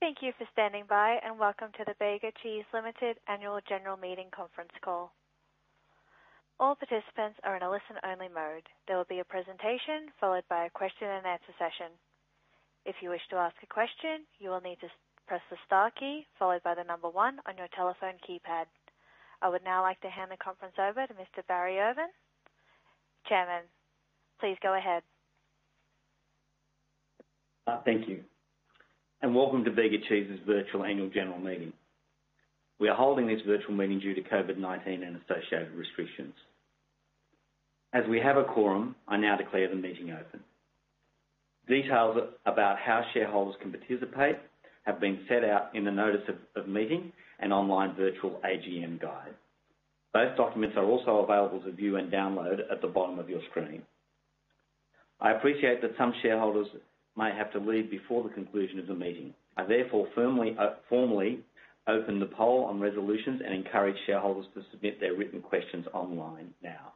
Thank you for standing by, and welcome to the Bega Cheese Limited Annual General Meeting conference call. All participants are in a listen-only mode. There will be a presentation, followed by a question and answer session. If you wish to ask a question, you will need to press the star key followed by the number one on your telephone keypad. I would now like to hand the conference over to Mr. Barry Irvin, Chairman. Please go ahead. Thank you. Welcome to Bega Cheese's virtual annual general meeting. We are holding this virtual meeting due to COVID-19 and associated restrictions. As we have a quorum, I now declare the meeting open. Details about how shareholders can participate have been set out in the notice of meeting and online virtual AGM guide. Both documents are also available to view and download at the bottom of your screen. I appreciate that some shareholders may have to leave before the conclusion of the meeting. I therefore formally open the poll on resolutions and encourage shareholders to submit their written questions online now.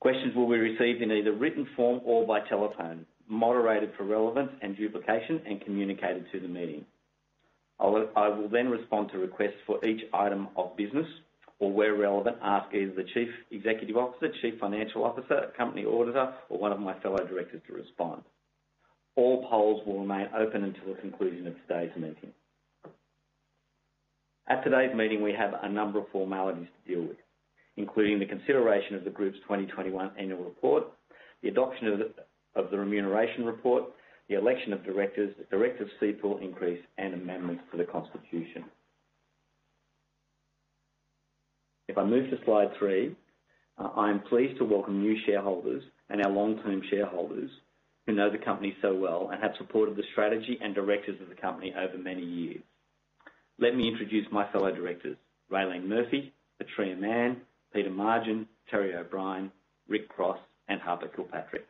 Questions will be received in either written form or by telephone, moderated for relevance and duplication and communicated to the meeting. I will then respond to requests for each item of business or where relevant, ask either the Chief Executive Officer, Chief Financial Officer, company auditor, or one of my fellow directors to respond. All polls will remain open until the conclusion of today's meeting. At today's meeting, we have a number of formalities to deal with, including the consideration of the group's 2021 annual report, the adoption of the remuneration report, the election of directors, the director's fee pool increase and amendments to the constitution. If I move to slide three, I am pleased to welcome new shareholders and our long-term shareholders who know the company so well and have supported the strategy and directors of the company over many years. Let me introduce my fellow directors, Raelene Murphy, Patria Mann, Peter Margin, Terry O'Brien, Rick Cross, and Harper Kilpatrick.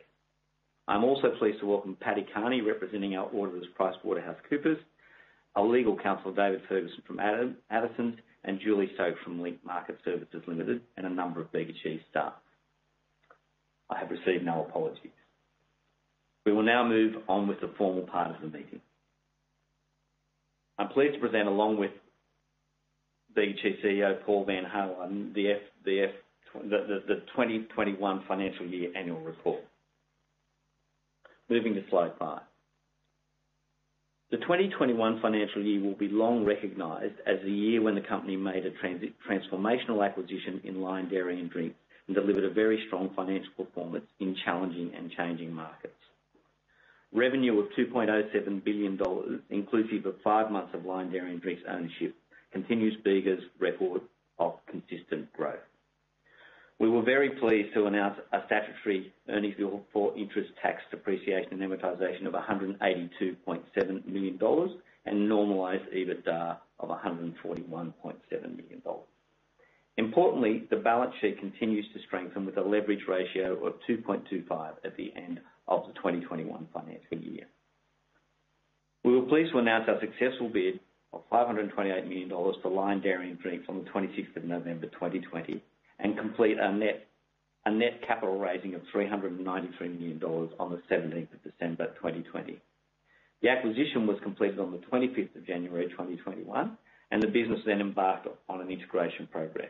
I'm also pleased to welcome Paddy Carney, representing our auditors, PricewaterhouseCoopers, our legal counsel, David Ferguson from Addisons, and Julie Stokes from Link Market Services Limited, and a number of Bega Cheese staff. I have received no apologies. We will now move on with the formal part of the meeting. I'm pleased to present, along with Bega's Chief Executive Officer, Paul van Heerwaarden, the 2021 financial year annual report. Moving to slide five. The 2021 financial year will be long recognized as the year when the company made a transformational acquisition in Lion Dairy & Drinks, and delivered a very strong financial performance in challenging and changing markets. Revenue of 2.07 billion dollars, inclusive of five months of Lion Dairy & Drinks ownership, continues Bega's record of consistent growth. We were very pleased to announce a statutory earnings before interest tax depreciation amortization of 182.7 million dollars and normalized EBITDA of 141.7 million dollars. Importantly, the balance sheet continues to strengthen with a leverage ratio of 2.25 at the end of the 2021 financial year. We were pleased to announce our successful bid of 528 million dollars for Lion Dairy & Drinks on the 26th of November 2020, and complete a net capital raising of 393 million dollars on the 17th of December 2020. The acquisition was completed on the 25th of January 2021, and the business then embarked on an integration program.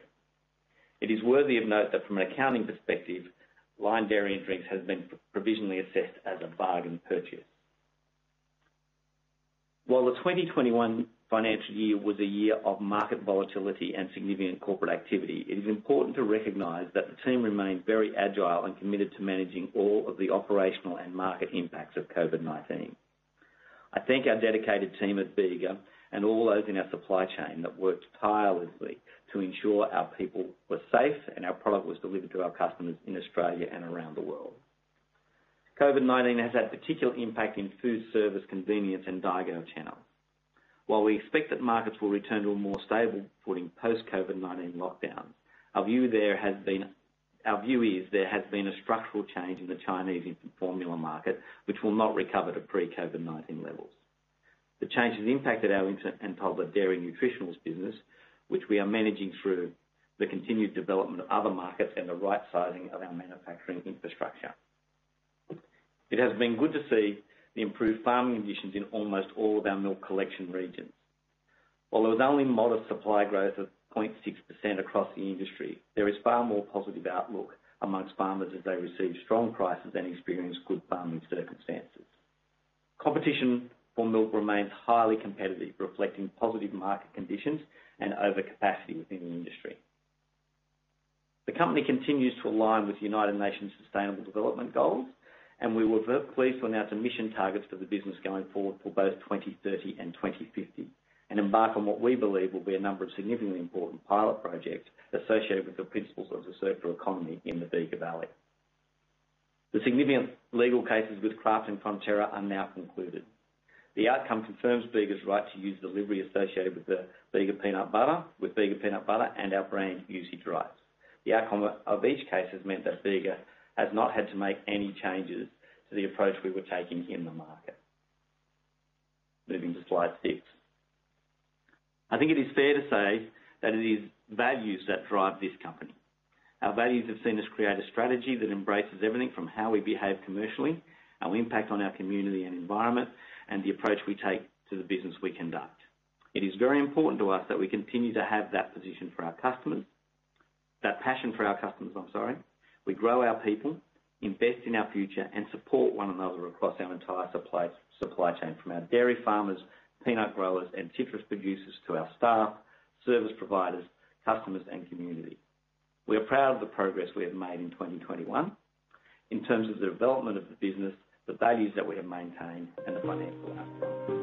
It is worthy of note that from an accounting perspective, Lion Dairy & Drinks has been provisionally assessed as a bargain purchase. While the 2021 financial year was a year of market volatility and significant corporate activity, it is important to recognize that the team remained very agile and committed to managing all of the operational and market impacts of COVID-19. I thank our dedicated team at Bega and all those in our supply chain that worked tirelessly to ensure our people were safe and our product was delivered to our customers in Australia and around the world. COVID-19 has had particular impact in food service, convenience, and daigou channels. While we expect that markets will return to a more stable footing post COVID-19 lockdowns, our view is there has been a structural change in the Chinese infant formula market, which will not recover to pre-COVID-19 levels. The change has impacted our infant and toddler dairy nutritionals business, which we are managing through the continued development of other markets and the right sizing of our manufacturing infrastructure. It has been good to see the improved farming conditions in almost all of our milk collection regions. Although there's only modest supply growth of 0.6% across the industry, there is far more positive outlook among farmers as they receive strong prices and experience good farming circumstances. Competition for milk remains highly competitive, reflecting positive market conditions and overcapacity within the industry. The company continues to align with United Nations Sustainable Development Goals, and we were pleased to announce emission targets for the business going forward for both 2030 and 2050, and embark on what we believe will be a number of significantly important pilot projects associated with the principles of the circular economy in the Bega Valley. The significant legal cases with Kraft and Fonterra are now concluded. The outcome confirms Bega's right to use the livery associated with the Bega Peanut Butter with Bega Peanut Butter and our brand usage rights. The outcome of each case has meant that Bega has not had to make any changes to the approach we were taking in the market. Moving to slide six. I think it is fair to say that it is values that drive this company. Our values have seen us create a strategy that embraces everything from how we behave commercially, our impact on our community and environment, and the approach we take to the business we conduct. It is very important to us that we continue to have that position for our customers. That passion for our customers, I'm sorry. We grow our people, invest in our future, and support one another across our entire supply chain from our dairy farmers, peanut growers and citrus producers to our staff, service providers, customers and community. We are proud of the progress we have made in 2021 in terms of the development of the business, the values that we have maintained, and the financial outcomes.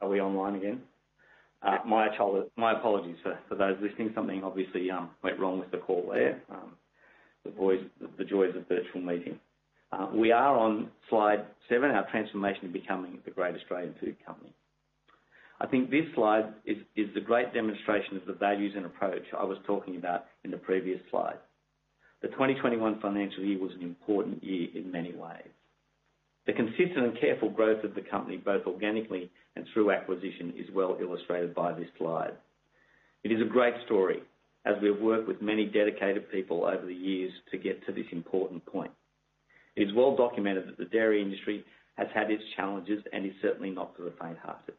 Are we online again? My apologies, sir. For those listening, something obviously went wrong with the call there. The voice, the joys of virtual meeting. We are on slide seven, our transformation becoming the great Australian food company. I think this slide is a great demonstration of the values and approach I was talking about in the previous slide. The 2021 financial year was an important year in many ways. The consistent and careful growth of the company, both organically and through acquisition, is well illustrated by this slide. It is a great story as we have worked with many dedicated people over the years to get to this important point. It is well documented that the dairy industry has had its challenges and is certainly not for the faint-hearted.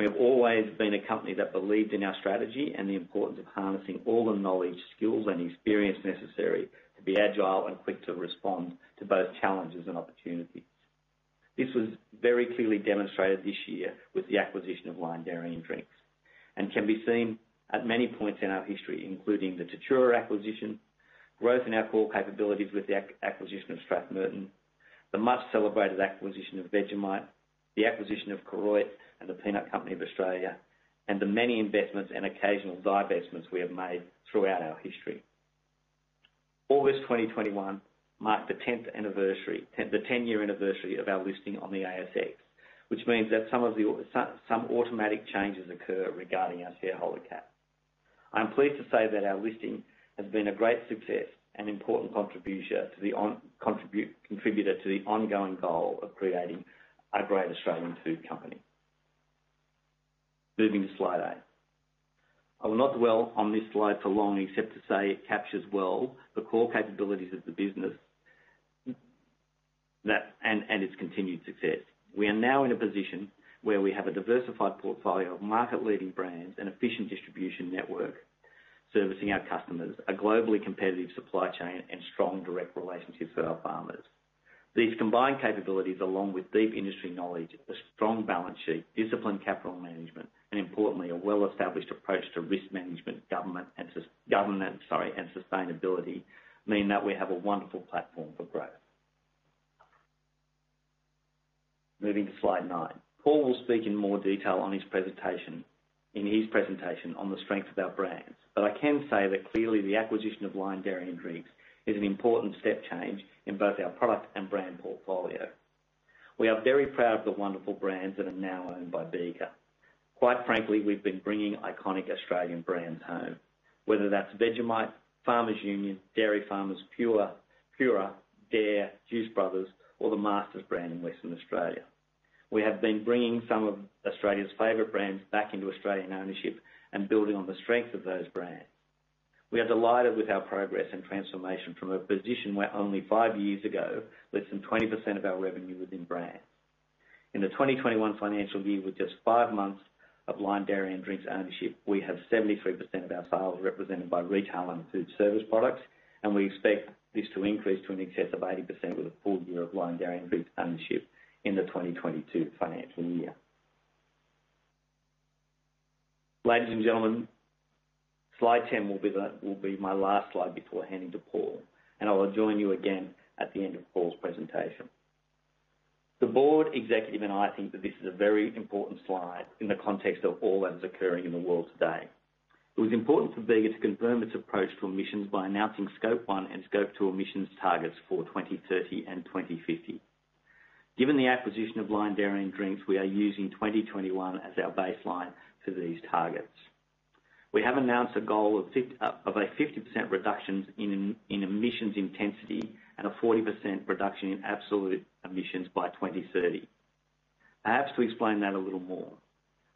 We have always been a company that believed in our strategy and the importance of harnessing all the knowledge, skills, and experience necessary to be agile and quick to respond to both challenges and opportunities. This was very clearly demonstrated this year with the acquisition of Lion Dairy & Drinks, and can be seen at many points in our history including the TATURA acquisition, growth in our core capabilities with the acquisition of Strathmerton, the much celebrated acquisition of Vegemite, the acquisition of Koroit and the Peanut Company of Australia, and the many investments and occasional divestments we have made throughout our history. August 2021 marked the tenth anniversary, the 10-year anniversary of our listing on the ASX, which means that some automatic changes occur regarding our shareholder cap. I'm pleased to say that our listing has been a great success and important contribution to the ongoing goal of creating a great Australian food company. Moving to slide eight. I will not dwell on this slide for long, except to say it captures well the core capabilities of the business and its continued success. We are now in a position where we have a diversified portfolio of market leading brands and efficient distribution network servicing our customers, a globally competitive supply chain and strong direct relationships with our farmers. These combined capabilities, along with deep industry knowledge, a strong balance sheet, disciplined capital management, and importantly, a well-established approach to risk management, governance, sorry, and sustainability mean that we have a wonderful platform for growth. Moving to slide nine. Paul will speak in more detail in his presentation on the strengths of our brands, but I can say that clearly the acquisition of Lion Dairy & Drinks is an important step change in both our product and brand portfolio. We are very proud of the wonderful brands that are now owned by Bega. Quite frankly, we've been bringing iconic Australian brands home, whether that's Vegemite, Farmers Union, Dairy Farmers, Pura, Dare, Juice Brothers, or the Masters brand in Western Australia. We have been bringing some of Australia's favorite brands back into Australian ownership and building on the strength of those brands. We are delighted with our progress and transformation from a position where only five years ago, less than 20% of our revenue was in brand. In the 2021 financial year, with just five months of Lion Dairy & Drinks ownership, we have 73% of our sales represented by retail and food service products, and we expect this to increase to in excess of 80% with a full year of Lion Dairy & Drinks ownership in the 2022 financial year. Ladies and gentlemen, slide 10 will be my last slide before handing to Paul, and I will join you again at the end of Paul's presentation. The board, executive, and I think that this is a very important slide in the context of all that is occurring in the world today. It was important for Bega to confirm its approach to emissions by announcing scope one and scope two emissions targets for 2030 and 2050. Given the acquisition of Lion Dairy & Drinks, we are using 2021 as our baseline for these targets. We have announced a goal of a 50% reductions in emissions intensity and a 40% reduction in absolute emissions by 2030. Perhaps to explain that a little more.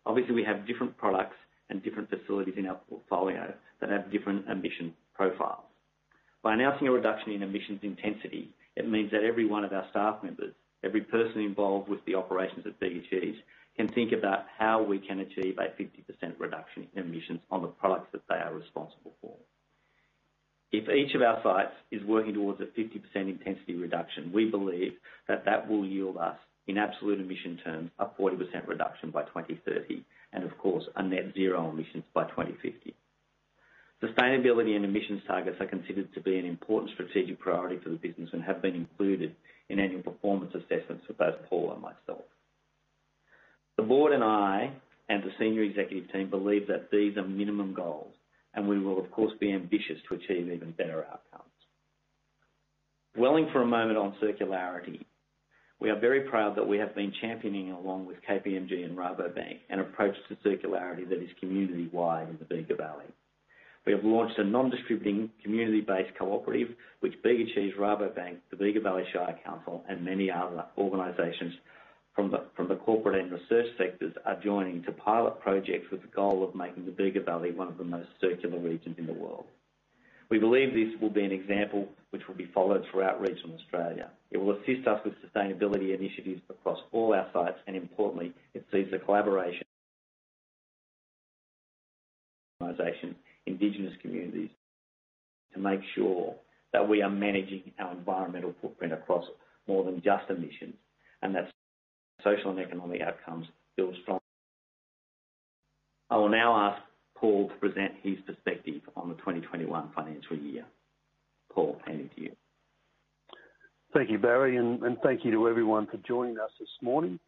Obviously, we have different products and different facilities in our portfolio that have different emission profiles. By announcing a reduction in emissions intensity, it means that every one of our staff members, every person involved with the operations at Bega's Cheese, can think about how we can achieve a 50% reduction in emissions on the products that they are responsible for. If each of our sites is working towards a 50% intensity reduction, we believe that that will yield us, in absolute emission terms, a 40% reduction by 2030 and of course, a net zero emissions by 2050. Sustainability and emissions targets are considered to be an important strategic priority for the business and have been included in annual performance assessments for both Paul and myself. The board and I, and the senior executive team believe that these are minimum goals, and we will of course, be ambitious to achieve even better outcomes. Dwelling for a moment on circularity, we are very proud that we have been championing, along with KPMG and Rabobank, an approach to circularity that is community-wide in the Bega Valley. We have launched a non-distributing, community-based cooperative which Bega Cheese, Rabobank, the Bega Valley Shire Council, and many other organizations from the corporate and research sectors are joining to pilot projects with the goal of making the Bega Valley one of the most circular regions in the world. We believe this will be an example which will be followed throughout regional Australia. It will assist us with sustainability initiatives across all our sites, and importantly, it sees the collaboration organizations, indigenous communities to make sure that we are managing our environmental footprint across more than just emissions. That social and economic outcomes build strong. I will now ask Paul to present his perspective on the 2021 financial year. Paul, handing over to you. Thank you, Barry, and thank you to everyone for joining us this morning.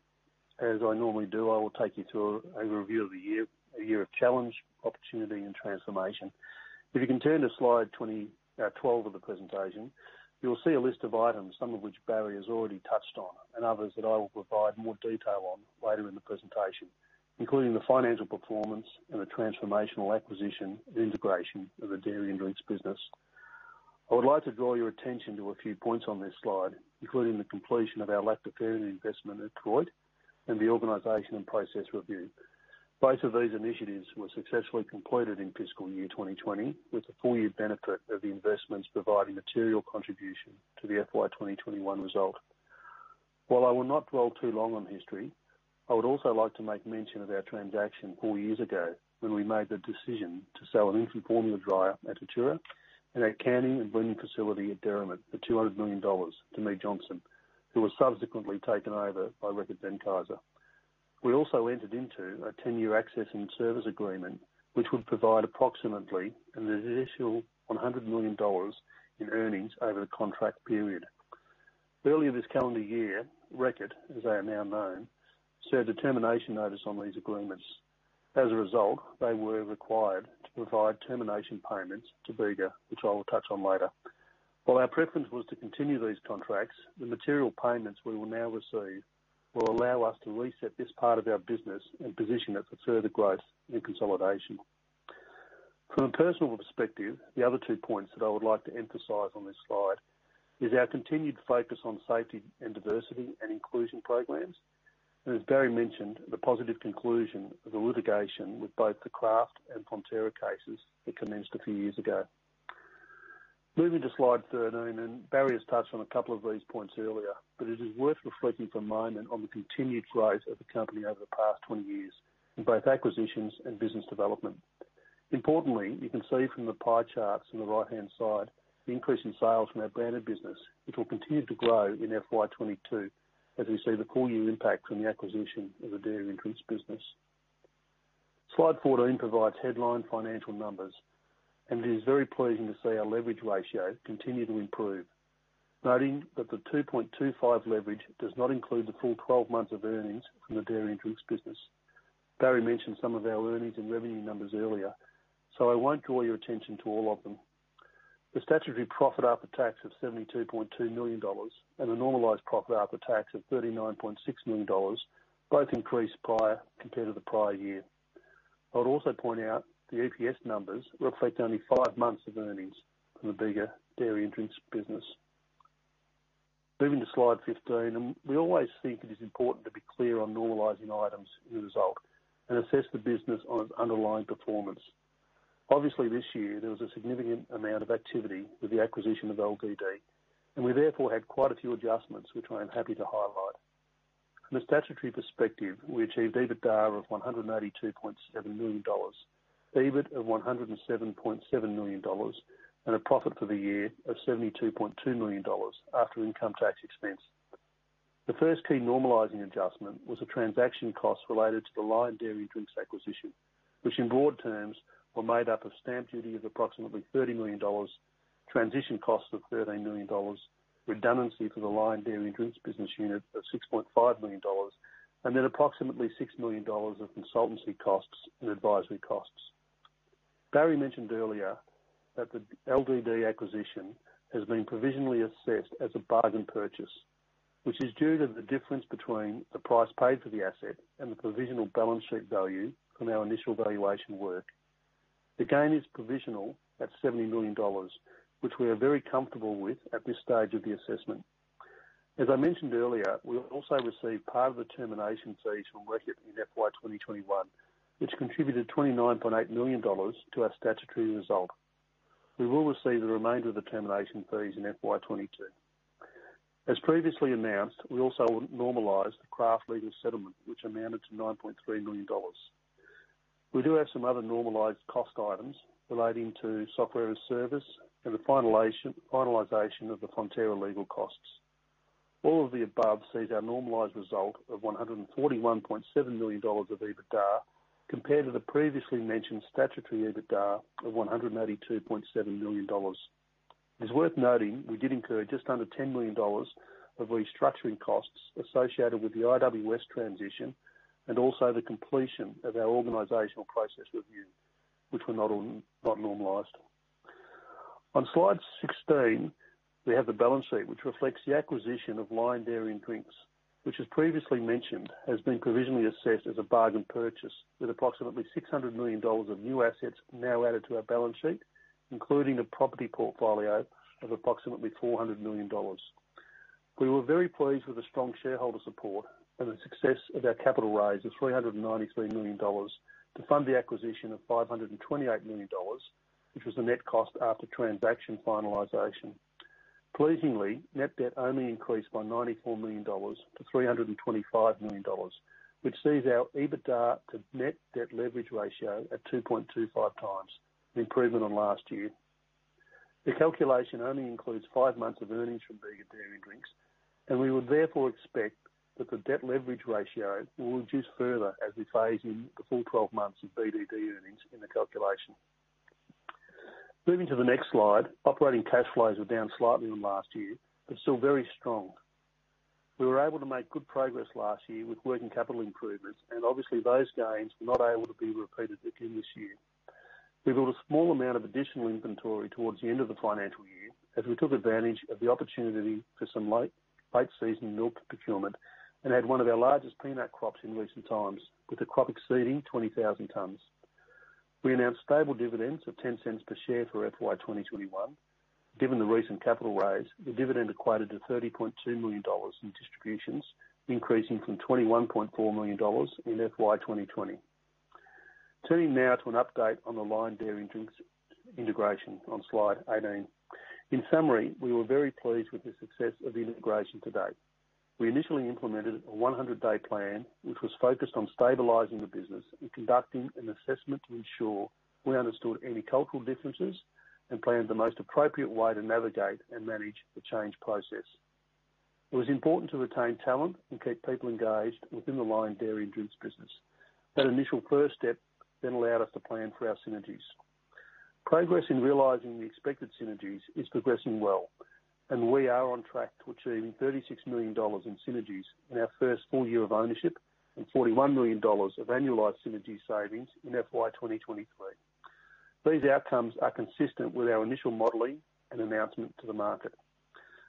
As I normally do, I will take you through an overview of the year, a year of challenge, opportunity and transformation. If you can turn to slide 12 of the presentation, you will see a list of items, some of which Barry has already touched on, and others that I will provide more detail on later in the presentation, including the financial performance and the transformational acquisition and integration of the Dairy and Drinks business. I would like to draw your attention to a few points on this slide, including the completion of our lactoferrin investment at TATURA, and the organization and process review. Both of these initiatives were successfully completed in fiscal year 2020, with the full year benefit of the investments providing material contribution to the FY 2021 result. While I will not dwell too long on history, I would also like to make mention of our transaction four years ago when we made the decision to sell an infant formula dryer at TATURA and our canning and blending facility at Derrimut for 200 million dollars to Mead Johnson, who was subsequently taken over by Reckitt Benckiser. We also entered into a 10-year access and service agreement, which would provide approximately an initial 100 million dollars in earnings over the contract period. Earlier this calendar year, Reckitt, as they are now known, served a termination notice on these agreements. As a result, they were required to provide termination payments to Bega, which I will touch on later. While our preference was to continue these contracts, the material payments we will now receive will allow us to reset this part of our business and position it for further growth and consolidation. From a personal perspective, the other two points that I would like to emphasize on this slide is our continued focus on safety and diversity and inclusion programs. As Barry mentioned, the positive conclusion of the litigation with both the Kraft and Fonterra cases that commenced a few years ago. Moving to slide 13, and Barry has touched on a couple of these points earlier, but it is worth reflecting for a moment on the continued growth of the company over the past 20 years in both acquisitions and business development. Importantly, you can see from the pie charts on the right-hand side, the increase in sales from our branded business, which will continue to grow in FY 2022 as we see the full year impact from the acquisition of the Dairy and Drinks business. Slide 14 provides headline financial numbers, and it is very pleasing to see our leverage ratio continue to improve. Noting that the 2.25 leverage does not include the full 12 months of earnings from the Dairy and Drinks business. Barry mentioned some of our earnings and revenue numbers earlier, so I won't draw your attention to all of them. The statutory profit after tax of AUD 72.2 million and a normalized profit after tax of AUD 39.6 million both increased compared to the prior year. I'd also point out the EPS numbers reflect only five months of earnings from the Bega Dairy and Drinks business. Moving to slide 15, we always think it is important to be clear on normalizing items in the result and assess the business on its underlying performance. Obviously, this year, there was a significant amount of activity with the acquisition of LDD, and we therefore had quite a few adjustments, which I am happy to highlight. From a statutory perspective, we achieved EBITDA of 182.7 million dollars, EBIT of 107.7 million dollars, and a profit for the year of 72.2 million dollars after income tax expense. The first key normalizing adjustment was a transaction cost related to the Lion Dairy & Drinks acquisition, which in broad terms were made up of stamp duty of approximately 30 million dollars, transition costs of 13 million dollars, redundancy for the Lion Dairy & Drinks business unit of 6.5 million dollars, and then approximately 6 million dollars of consultancy costs and advisory costs. Barry mentioned earlier that the LDD acquisition has been provisionally assessed as a bargain purchase, which is due to the difference between the price paid for the asset and the provisional balance sheet value from our initial valuation work. The gain is provisional at 70 million dollars, which we are very comfortable with at this stage of the assessment. As I mentioned earlier, we'll also receive part of the termination fees from Reckitt in FY 2021, which contributed 29.8 million dollars to our statutory result. We will receive the remainder of the termination fees in FY 2022. As previously announced, we also normalized the Kraft legal settlement, which amounted to 9.3 million dollars. We do have some other normalized cost items relating to software as a service and the finalization of the Fonterra legal costs. All of the above sees our normalized result of AUD 141.7 million of EBITDA compared to the previously mentioned statutory EBITDA of AUD 182.7 million. It's worth noting we did incur just under AUD 10 million of restructuring costs associated with the I. W. West transition and also the completion of our organizational process review, which were not normalized. On slide 16, we have the balance sheet, which reflects the acquisition of Lion Dairy & Drinks, which, as previously mentioned, has been provisionally assessed as a bargain purchase, with approximately 600 million dollars of new assets now added to our balance sheet, including a property portfolio of approximately 400 million dollars. We were very pleased with the strong shareholder support and the success of our capital raise of 393 million dollars to fund the acquisition of 528 million dollars, which was the net cost after transaction finalization. Pleasingly, net debt only increased by AUD 94 million to AUD 325 million, which sees our EBITDA to net debt leverage ratio at 2.25x, an improvement on last year. The calculation only includes five months of earnings from Bega Dairy and Drinks, and we would therefore expect that the debt leverage ratio will reduce further as we phase in the full 12 months of BDD earnings in the calculation. Moving to the next slide, operating cash flows were down slightly on last year, but still very strong. We were able to make good progress last year with working capital improvements, and obviously, those gains were not able to be repeated again this year. We built a small amount of additional inventory towards the end of the financial year, as we took advantage of the opportunity for some late season milk procurement and had one of our largest peanut crops in recent times, with the crop exceeding 20,000 tons. We announced stable dividends of 0.10 per share for FY 2021. Given the recent capital raise, the dividend equated to 32 million dollars in distributions, increasing from 21.4 million dollars in FY 2020. Turning now to an update on the Lion Dairy & Drinks integration on slide 18. In summary, we were very pleased with the success of the integration to date. We initially implemented a 100-day plan, which was focused on stabilizing the business and conducting an assessment to ensure we understood any cultural differences and planned the most appropriate way to navigate and manage the change process. It was important to retain talent and keep people engaged within the Lion Dairy & Drinks business. That initial first step then allowed us to plan for our synergies. Progress in realizing the expected synergies is progressing well, and we are on track to achieving 36 million dollars in synergies in our first full year of ownership and 41 million dollars of annualized synergy savings in FY 2023. These outcomes are consistent with our initial modeling and announcement to the market.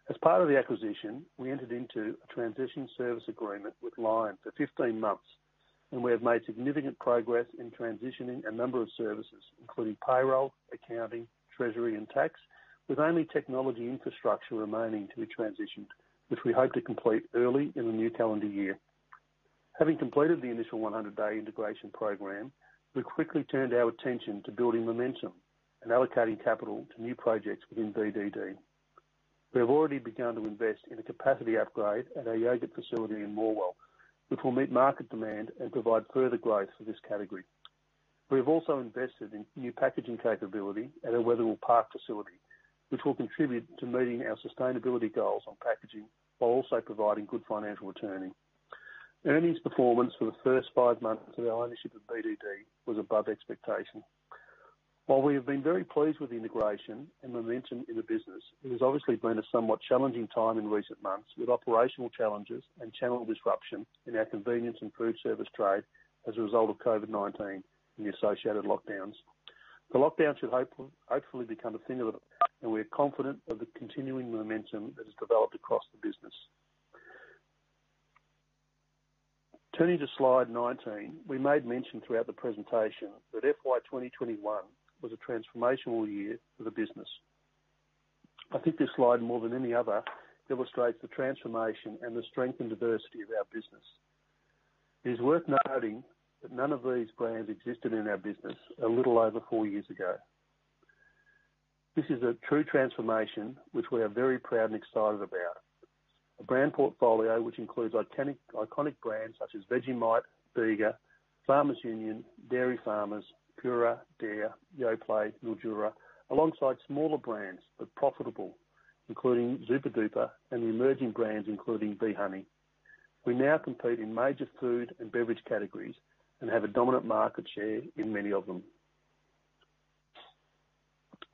As part of the acquisition, we entered into a transition service agreement with Lion for 15 months, and we have made significant progress in transitioning a number of services, including payroll, accounting, treasury, and tax, with only technology infrastructure remaining to be transitioned, which we hope to complete early in the new calendar year. Having completed the initial 100-day integration program, we quickly turned our attention to building momentum and allocating capital to new projects within BDD. We have already begun to invest in a capacity upgrade at our yogurt facility in Morwell, which will meet market demand and provide further growth for this category. We have also invested in new packaging capability at our Wetherill Park facility, which will contribute to meeting our sustainability goals on packaging while also providing good financial returning. Earnings performance for the first five months of our ownership of BDD was above expectation. While we have been very pleased with the integration and momentum in the business, it has obviously been a somewhat challenging time in recent months, with operational challenges and channel disruption in our convenience and food service trade as a result of COVID-19 and the associated lockdowns. The lockdowns should hopefully become a thing of the past, and we are confident of the continuing momentum that has developed across the business. Turning to slide 19, we made mention throughout the presentation that FY 2021 was a transformational year for the business. I think this slide, more than any other, illustrates the transformation and the strength and diversity of our business. It is worth noting that none of these brands existed in our business a little over 4 years ago. This is a true transformation which we are very proud and excited about. A brand portfolio which includes iconic brands such as Vegemite, Bega, Farmers Union, Dairy Farmers, Pura, Dare, Yoplait, Mildura, alongside smaller brands, but profitable, including Zooper Dooper and the emerging brands, including B honey. We now compete in major food and beverage categories and have a dominant market share in many of them.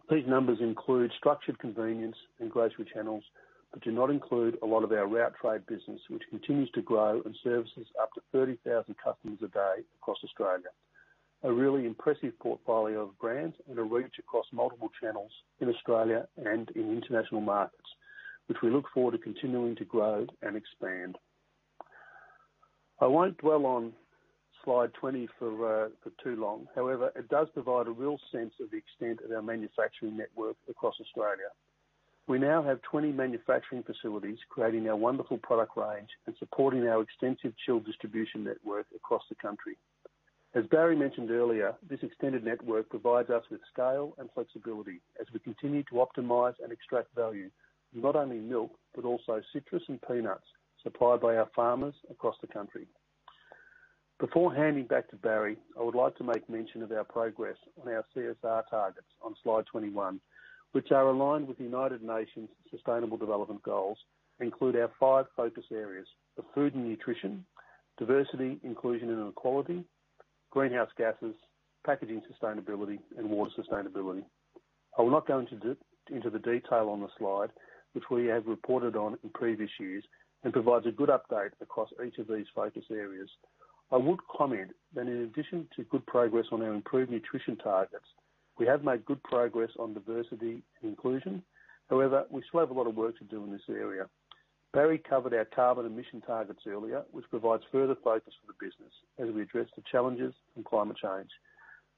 These numbers include structured convenience and grocery channels but do not include a lot of our route trade business, which continues to grow and services up to 30,000 customers a day across Australia. A really impressive portfolio of brands and a reach across multiple channels in Australia and in international markets, which we look forward to continuing to grow and expand. I won't dwell on slide 20 for for too long. However, it does provide a real sense of the extent of our manufacturing network across Australia. We now have 20 manufacturing facilities creating our wonderful product range and supporting our extensive chilled distribution network across the country. As Barry mentioned earlier, this extended network provides us with scale and flexibility as we continue to optimize and extract value in not only milk but also citrus and peanuts supplied by our farmers across the country. Before handing back to Barry, I would like to make mention of our progress on our CSR targets on slide 21, which are aligned with United Nations Sustainable Development Goals, include our five focus areas of food and nutrition; diversity, inclusion, and equality; greenhouse gases, packaging sustainability, and water sustainability. I will not go into the detail on the slide, which we have reported on in previous years and provides a good update across each of these focus areas. I would comment that in addition to good progress on our improved nutrition targets, we have made good progress on diversity and inclusion. However, we still have a lot of work to do in this area. Barry covered our carbon emission targets earlier, which provides further focus for the business as we address the challenges in climate change.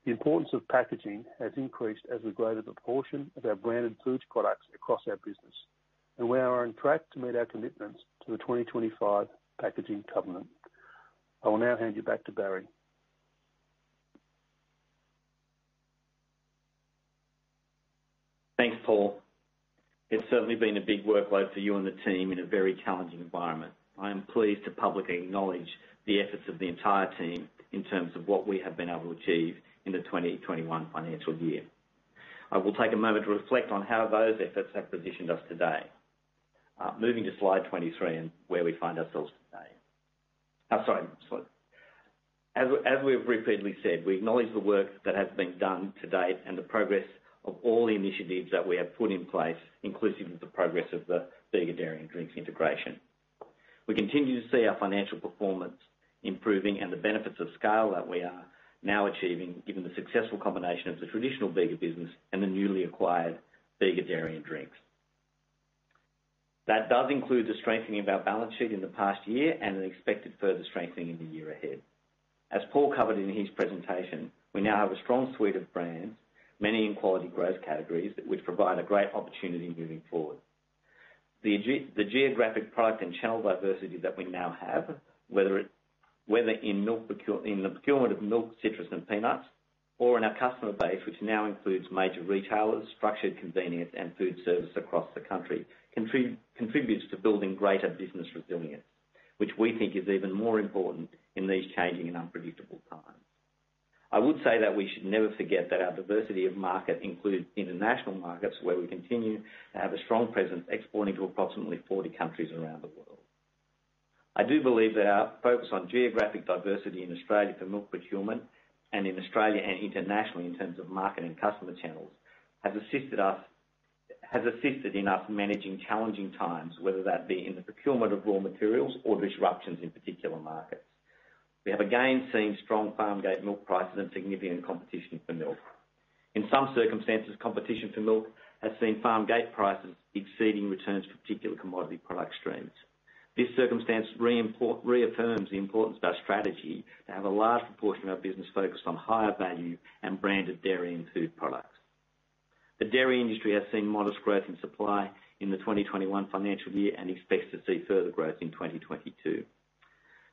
The importance of packaging has increased as a greater proportion of our branded foods products across our business, and we are on track to meet our commitments to the 2025 Packaging Covenant. I will now hand you back to Barry. Thanks, Paul. It's certainly been a big workload for you and the team in a very challenging environment. I am pleased to publicly acknowledge the efforts of the entire team in terms of what we have been able to achieve in the 2021 financial year. I will take a moment to reflect on how those efforts have positioned us today. As we have repeatedly said, we acknowledge the work that has been done to date and the progress of all the initiatives that we have put in place, inclusive of the progress of the Bega Dairy and Drinks integration. We continue to see our financial performance improving and the benefits of scale that we are now achieving, given the successful combination of the traditional Bega business and the newly acquired Bega Dairy and Drinks. That does include the strengthening of our balance sheet in the past year and an expected further strengthening in the year ahead. As Paul covered in his presentation, we now have a strong suite of brands, many in quality growth categories, which provide a great opportunity moving forward. The geographic product and channel diversity that we now have, whether in the procurement of milk, citrus, and peanuts, or in our customer base, which now includes major retailers, structured convenience, and food service across the country, contributes to building greater business resilience, which we think is even more important in these changing and unpredictable times. I would say that we should never forget that our diversity of market includes international markets, where we continue to have a strong presence exporting to approximately 40 countries around the world. I do believe that our focus on geographic diversity in Australia for milk procurement and in Australia and internationally in terms of market and customer channels has assisted us, has assisted in us managing challenging times, whether that be in the procurement of raw materials or disruptions in particular markets. We have again seen strong farm-gate milk prices and significant competition for milk. In some circumstances, competition for milk has seen farm-gate prices exceeding returns for particular commodity product streams. This circumstance reaffirms the importance of our strategy to have a large proportion of our business focused on higher value and branded dairy and food products. The dairy industry has seen modest growth in supply in the 2021 financial year and expects to see further growth in 2022.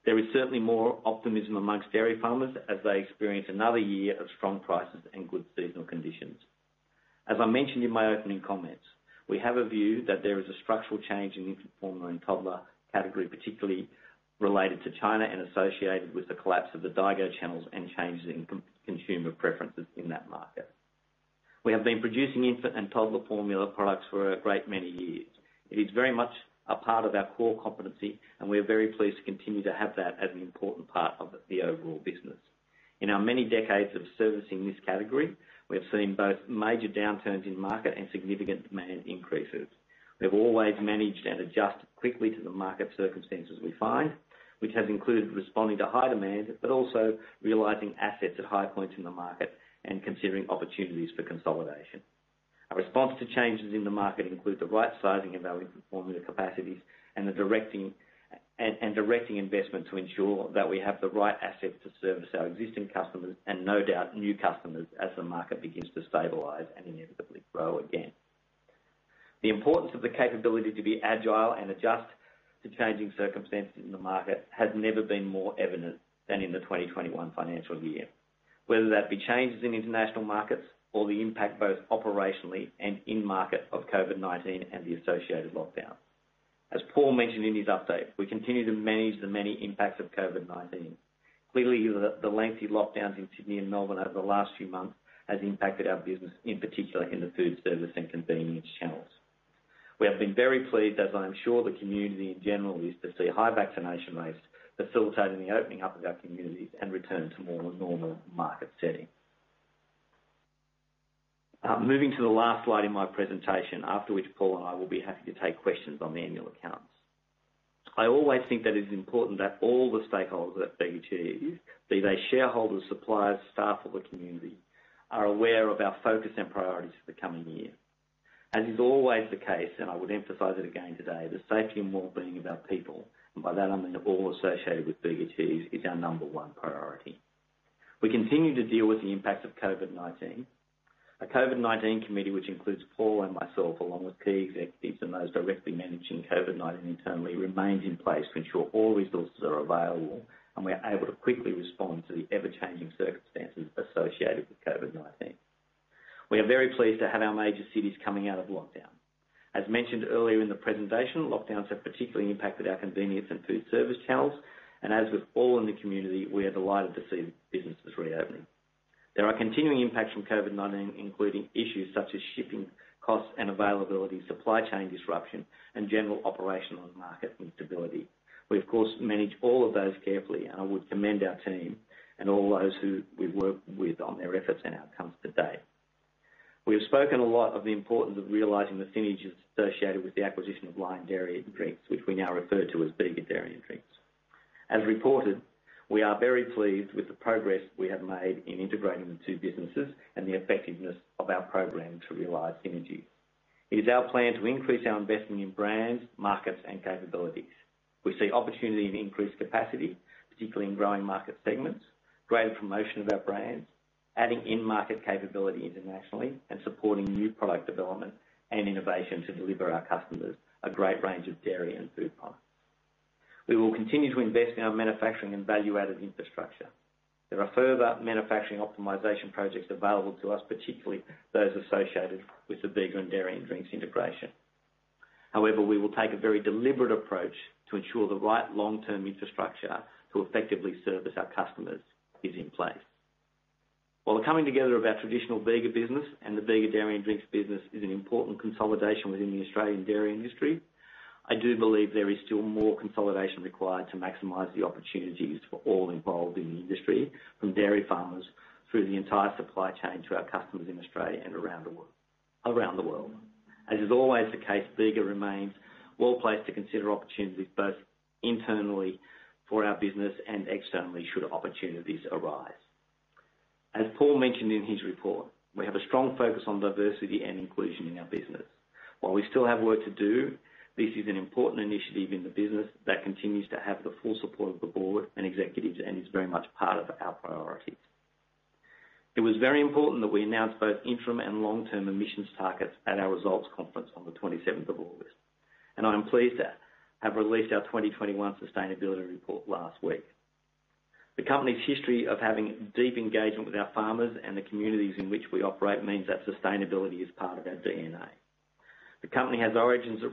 There is certainly more optimism among dairy farmers as they experience another year of strong prices and good seasonal conditions. As I mentioned in my opening comments, we have a view that there is a structural change in infant formula and toddler category, particularly related to China and associated with the collapse of the daigou channels and changes in Chinese consumer preferences in that market. We have been producing infant and toddler formula products for a great many years. It is very much a part of our core competency, and we are very pleased to continue to have that as an important part of the overall business. In our many decades of servicing this category, we have seen both major downturns in the market and significant demand increases. We have always managed and adjusted quickly to the market circumstances we find, which has included responding to high demand, but also realizing assets at high points in the market and considering opportunities for consolidation. Our response to changes in the market include the right sizing of our infant formula capacities and directing investment to ensure that we have the right assets to service our existing customers and no doubt new customers as the market begins to stabilize and inevitably grow again. The importance of the capability to be agile and adjust to changing circumstances in the market has never been more evident than in the 2021 financial year, whether that be changes in international markets or the impact both operationally and in market of COVID-19 and the associated lockdowns. As Paul mentioned in his update, we continue to manage the many impacts of COVID-19. Clearly, the lengthy lockdowns in Sydney and Melbourne over the last few months has impacted our business, in particular in the food service and convenience channels. We have been very pleased, as I'm sure the community in general is, to see high vaccination rates facilitating the opening up of our communities and return to more normal market setting. Moving to the last slide in my presentation, after which Paul and I will be happy to take questions on the annual accounts. I always think that it is important that all the stakeholders at Bega Cheese, be they shareholders, suppliers, staff, or the community, are aware of our focus and priorities for the coming year. As is always the case, and I would emphasize it again today, the safety and wellbeing of our people, and by that I mean all associated with Bega Cheese, is our number one priority. We continue to deal with the impacts of COVID-19. A COVID-19 committee, which includes Paul and myself, along with key executives and those directly managing COVID-19 internally, remains in place to ensure all resources are available and we are able to quickly respond to the ever-changing circumstances associated with COVID-19. We are very pleased to have our major cities coming out of lockdown. As mentioned earlier in the presentation, lockdowns have particularly impacted our convenience and food service channels, and as with all in the community, we are delighted to see businesses reopening. There are continuing impacts from COVID-19, including issues such as shipping costs and availability, supply chain disruption, and general operational market instability. We, of course, manage all of those carefully, and I would commend our team and all those who we work with on their efforts and outcomes to date. We have spoken a lot of the importance of realizing the synergies associated with the acquisition of Lion Dairy & Drinks, which we now refer to as Bega Dairy and Drinks. As reported, we are very pleased with the progress we have made in integrating the two businesses and the effectiveness of our program to realize synergy. It is our plan to increase our investing in brands, markets, and capabilities. We see opportunity to increase capacity, particularly in growing market segments, greater promotion of our brands, adding in-market capability internationally, and supporting new product development and innovation to deliver our customers a great range of dairy and food products. We will continue to invest in our manufacturing and value-added infrastructure. There are further manufacturing optimization projects available to us, particularly those associated with the Bega Dairy and Drinks integration. However, we will take a very deliberate approach to ensure the right long-term infrastructure to effectively service our customers is in place. While the coming together of our traditional Bega business and the Bega Dairy and Drinks business is an important consolidation within the Australian dairy industry, I do believe there is still more consolidation required to maximize the opportunities for all involved in the industry, from dairy farmers through the entire supply chain to our customers in Australia and around the world. As is always the case, Bega remains well-placed to consider opportunities both internally for our business and externally should opportunities arise. As Paul mentioned in his report, we have a strong focus on diversity and inclusion in our business. While we still have work to do, this is an important initiative in the business that continues to have the full support of the board and executives and is very much part of our priorities. It was very important that we announced both interim and long-term emissions targets at our results conference on the twenty-seventh of August, and I am pleased to have released our 2021 sustainability report last week. The company's history of having deep engagement with our farmers and the communities in which we operate means that sustainability is part of our DNA. The company has origins that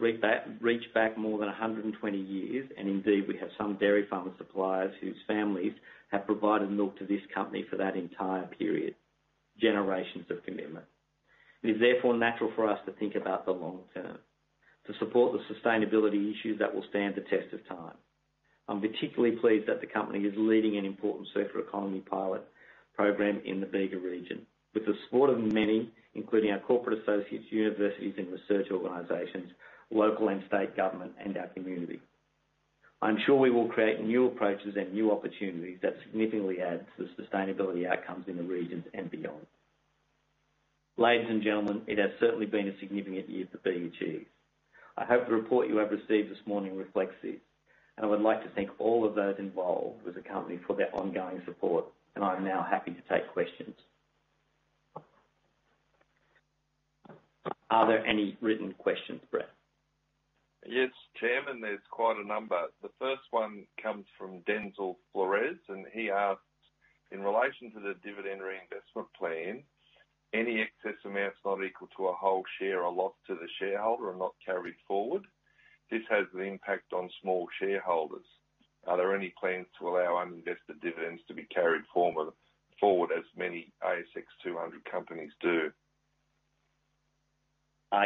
reach back more than 120 years, and indeed, we have some dairy farmer suppliers whose families have provided milk to this company for that entire period, generations of commitment. It is therefore natural for us to think about the long term, to support the sustainability issues that will stand the test of time. I'm particularly pleased that the company is leading an important circular economy pilot program in the Bega region with the support of many, including our corporate associates, universities, and research organizations, local and state government, and our community. I'm sure we will create new approaches and new opportunities that significantly add to the sustainability outcomes in the regions and beyond. Ladies and gentlemen, it has certainly been a significant year for Bega Cheese. I hope the report you have received this morning reflects this, and I would like to thank all of those involved with the company for their ongoing support, and I'm now happy to take questions. Are there any written questions, Brett? Yes, Chairman, there's quite a number. The first one comes from Denzel Flores, and he asks, "In relation to the dividend reinvestment plan, any excess amounts not equal to a whole share are lost to the shareholder and not carried forward. This has an impact on small shareholders. Are there any plans to allow uninvested dividends to be carried forward, as many ASX 200 companies do?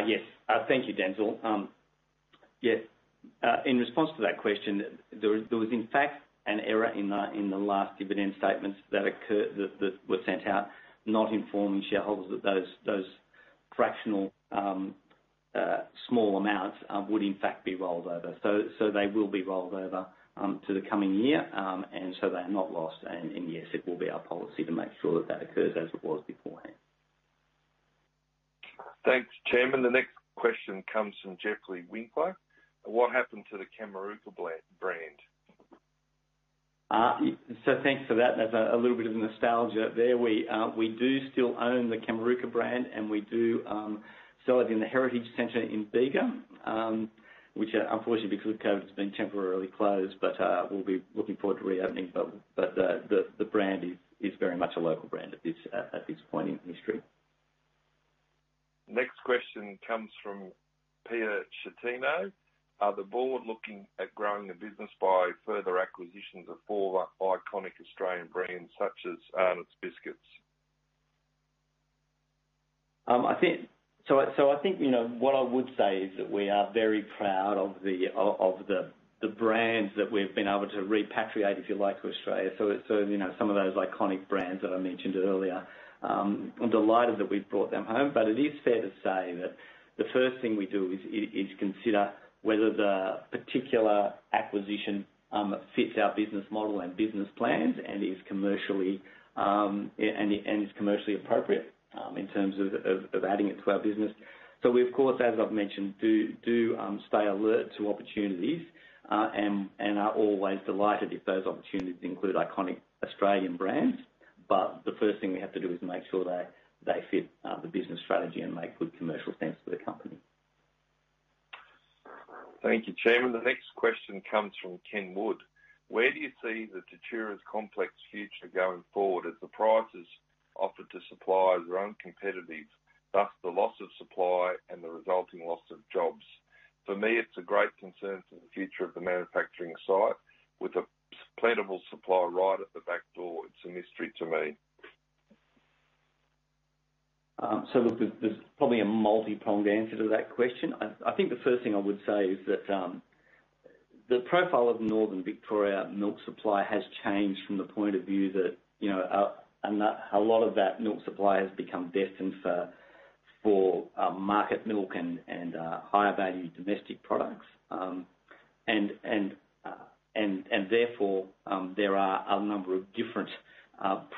Yes. Thank you, Denzel. Yes. In response to that question, there was, in fact, an error in the last dividend statements that were sent out, not informing shareholders that those fractional small amounts would in fact be rolled over. They will be rolled over to the coming year. They are not lost. Yes, it will be our policy to make sure that that occurs as it was beforehand. Thanks, Chairman. The next question comes from Jeffrey Winkler: "What happened to the Kamarooka brand? Thanks for that. There's a little bit of nostalgia there. We do still own the Kamarooka brand, and we do sell it in the Heritage Center in Bega, which unfortunately because of COVID has been temporarily closed, but we'll be looking forward to reopening. The brand is very much a local brand at this point in history. Next question comes from Pia Chatino: "Are the board looking at growing the business by further acquisitions of former iconic Australian brands such as Arnott's Biscuits? I think, you know, what I would say is that we are very proud of the brands that we've been able to repatriate, if you like, to Australia. You know, some of those iconic brands that I mentioned earlier, I'm delighted that we've brought them home. It is fair to say that the first thing we do is to consider whether the particular acquisition fits our business model and business plans and is commercially appropriate in terms of adding it to our business. We, of course, as I've mentioned, stay alert to opportunities and are always delighted if those opportunities include iconic Australian brands. The first thing we have to do is make sure they fit the business strategy and make good commercial sense for the company. Thank you, Chairman. The next question comes from Ken Wood: "Where do you see the TATURA's complex future going forward, as the prices offered to suppliers are uncompetitive, thus the loss of supply and the resulting loss of jobs? For me, it's a great concern for the future of the manufacturing site. With a plentiful supply right at the back door, it's a mystery to me. Look, there's probably a multi-pronged answer to that question. I think the first thing I would say is that the profile of northern Victoria milk supply has changed from the point of view that, you know, and that a lot of that milk supply has become destined for market milk and therefore there are a number of different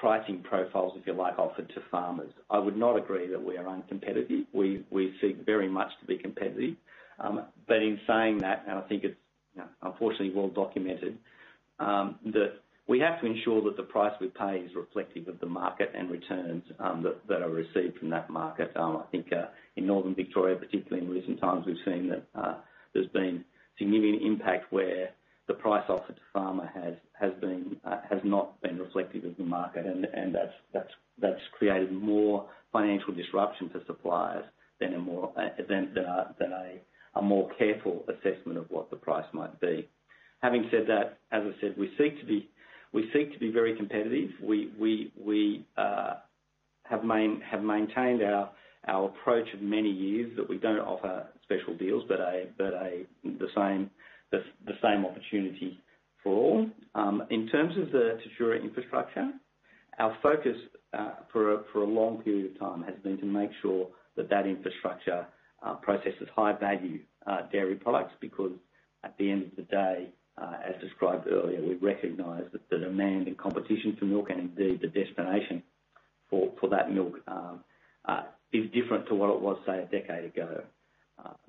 pricing profiles, if you like, offered to farmers. I would not agree that we are uncompetitive. We seek very much to be competitive. In saying that, I think it's, you know, unfortunately well documented that we have to ensure that the price we pay is reflective of the market and returns that are received from that market. I think in northern Victoria, particularly in recent times, we've seen that there's been significant impact where the price offered to farmer has not been reflective of the market, and that's created more financial disruption to suppliers than a more careful assessment of what the price might be. Having said that, as I said, we seek to be very competitive. We have maintained our approach of many years that we don't offer special deals, but the same opportunity for all. In terms of the TATURA infrastructure, our focus, for a long period of time has been to make sure that infrastructure processes high value dairy products, because at the end of the day, as described earlier, we recognize that the demand and competition for milk and indeed the destination for that milk is different to what it was, say, a decade ago.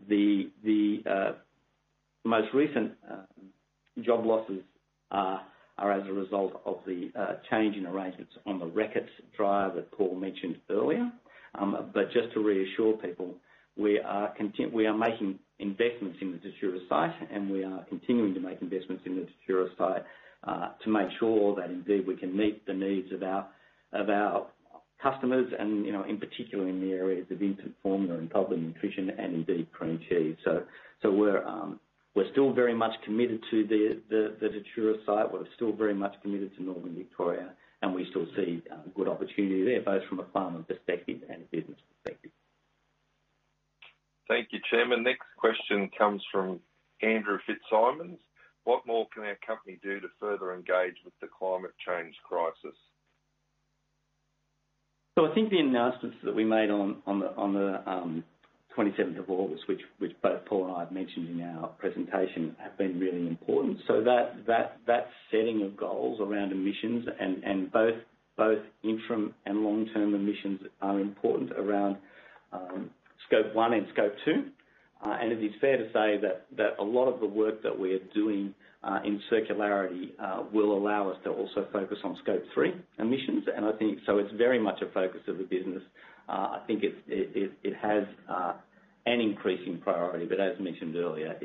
The most recent job losses are as a result of the change in arrangements on the Reckitt dryer that Paul mentioned earlier. Just to reassure people, we are making investments in the TATURA site, and we are continuing to make investments in the TATURA site, to make sure that indeed we can meet the needs of our customers and, you know, in particular in the areas of infant formula and public nutrition and indeed cream cheese. We're still very much committed to the TATURA site. We're still very much committed to northern Victoria, and we still see good opportunity there, both from a farmer perspective and a business perspective. Thank you, Chairman. Next question comes from Andrew Fitzsimons. What more can our company do to further engage with the climate change crisis? I think the announcements that we made on the 27th of August, which both Paul and I have mentioned in our presentation, have been really important. That setting of goals around emissions and both interim and long-term emissions are important around scope one and scope two. And it is fair to say that a lot of the work that we're doing in circularity will allow us to also focus on scope three emissions. I think so it's very much a focus of the business. I think it has an increasing priority. As mentioned earlier,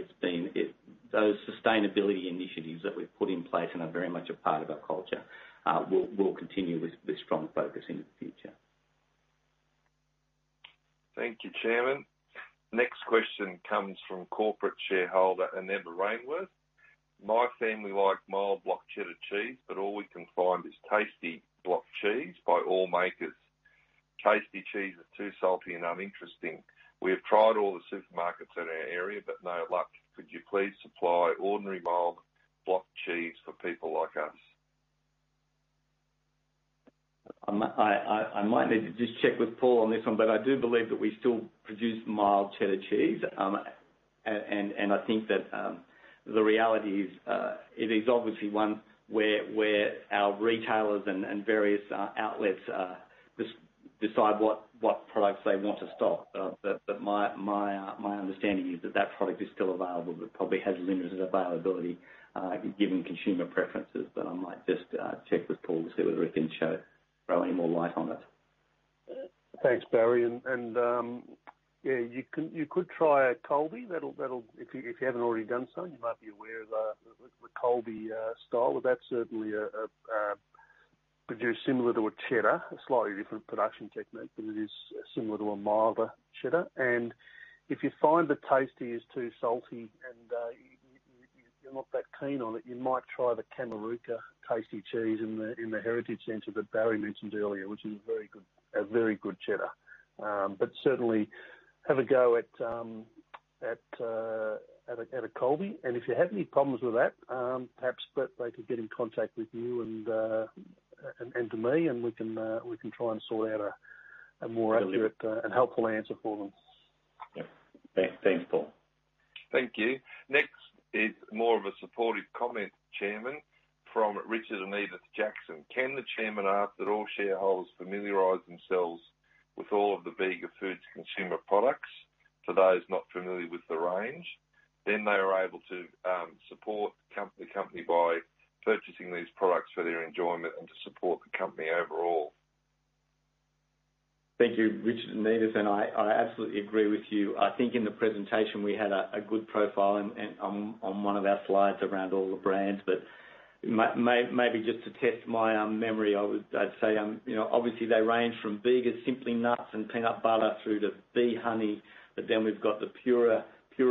those sustainability initiatives that we've put in place and are very much a part of our culture will continue with strong focus into the future. Thank you, Chairman. Next question comes from corporate shareholder, Ineba Rainworth. My family like mild block cheddar cheese, but all we can find is tasty block cheese by all makers. Tasty cheese is too salty and uninteresting. We have tried all the supermarkets in our area, but no luck. Could you please supply ordinary mild block cheese for people like us? I might need to just check with Paul on this one, but I do believe that we still produce mild cheddar cheese. I think that the reality is it is obviously one where our retailers and various outlets decide what products they want to stock. My understanding is that product is still available, but probably has limited availability given consumer preferences. I might just check with Paul to see whether he can throw any more light on it. Thanks, Barry. You could try a Colby. That'll, if you haven't already done so, you might be aware of the Colby style. That's certainly produced similar to a cheddar. A slightly different production technique, but it is similar to a milder cheddar. If you find the tasty is too salty and you're not that keen on it, you might try the Kamarooka tasty cheese in the Heritage Center that Barry mentioned earlier, which is a very good cheddar. Certainly have a go at a Colby. If you have any problems with that, perhaps Brett Baker could get in contact with you and to me, and we can try and sort out a more accurate and helpful answer for them. Yep. Thanks, Paul. Thank you. Next is more of a supportive comment, Chairman, from Richard and Edith Jackson. Can the Chairman ask that all shareholders familiarize themselves with all of the Bega Foods' consumer products for those not familiar with the range? They are able to support the company by purchasing these products for their enjoyment and to support the company overall. Thank you, Richard and Edith. I absolutely agree with you. I think in the presentation we had a good profile on one of our slides around all the brands. Maybe just to test my memory. I'd say, you know, obviously they range from Bega's Simply Nuts and Peanut Butter through to B Honey. Then we've got the Pura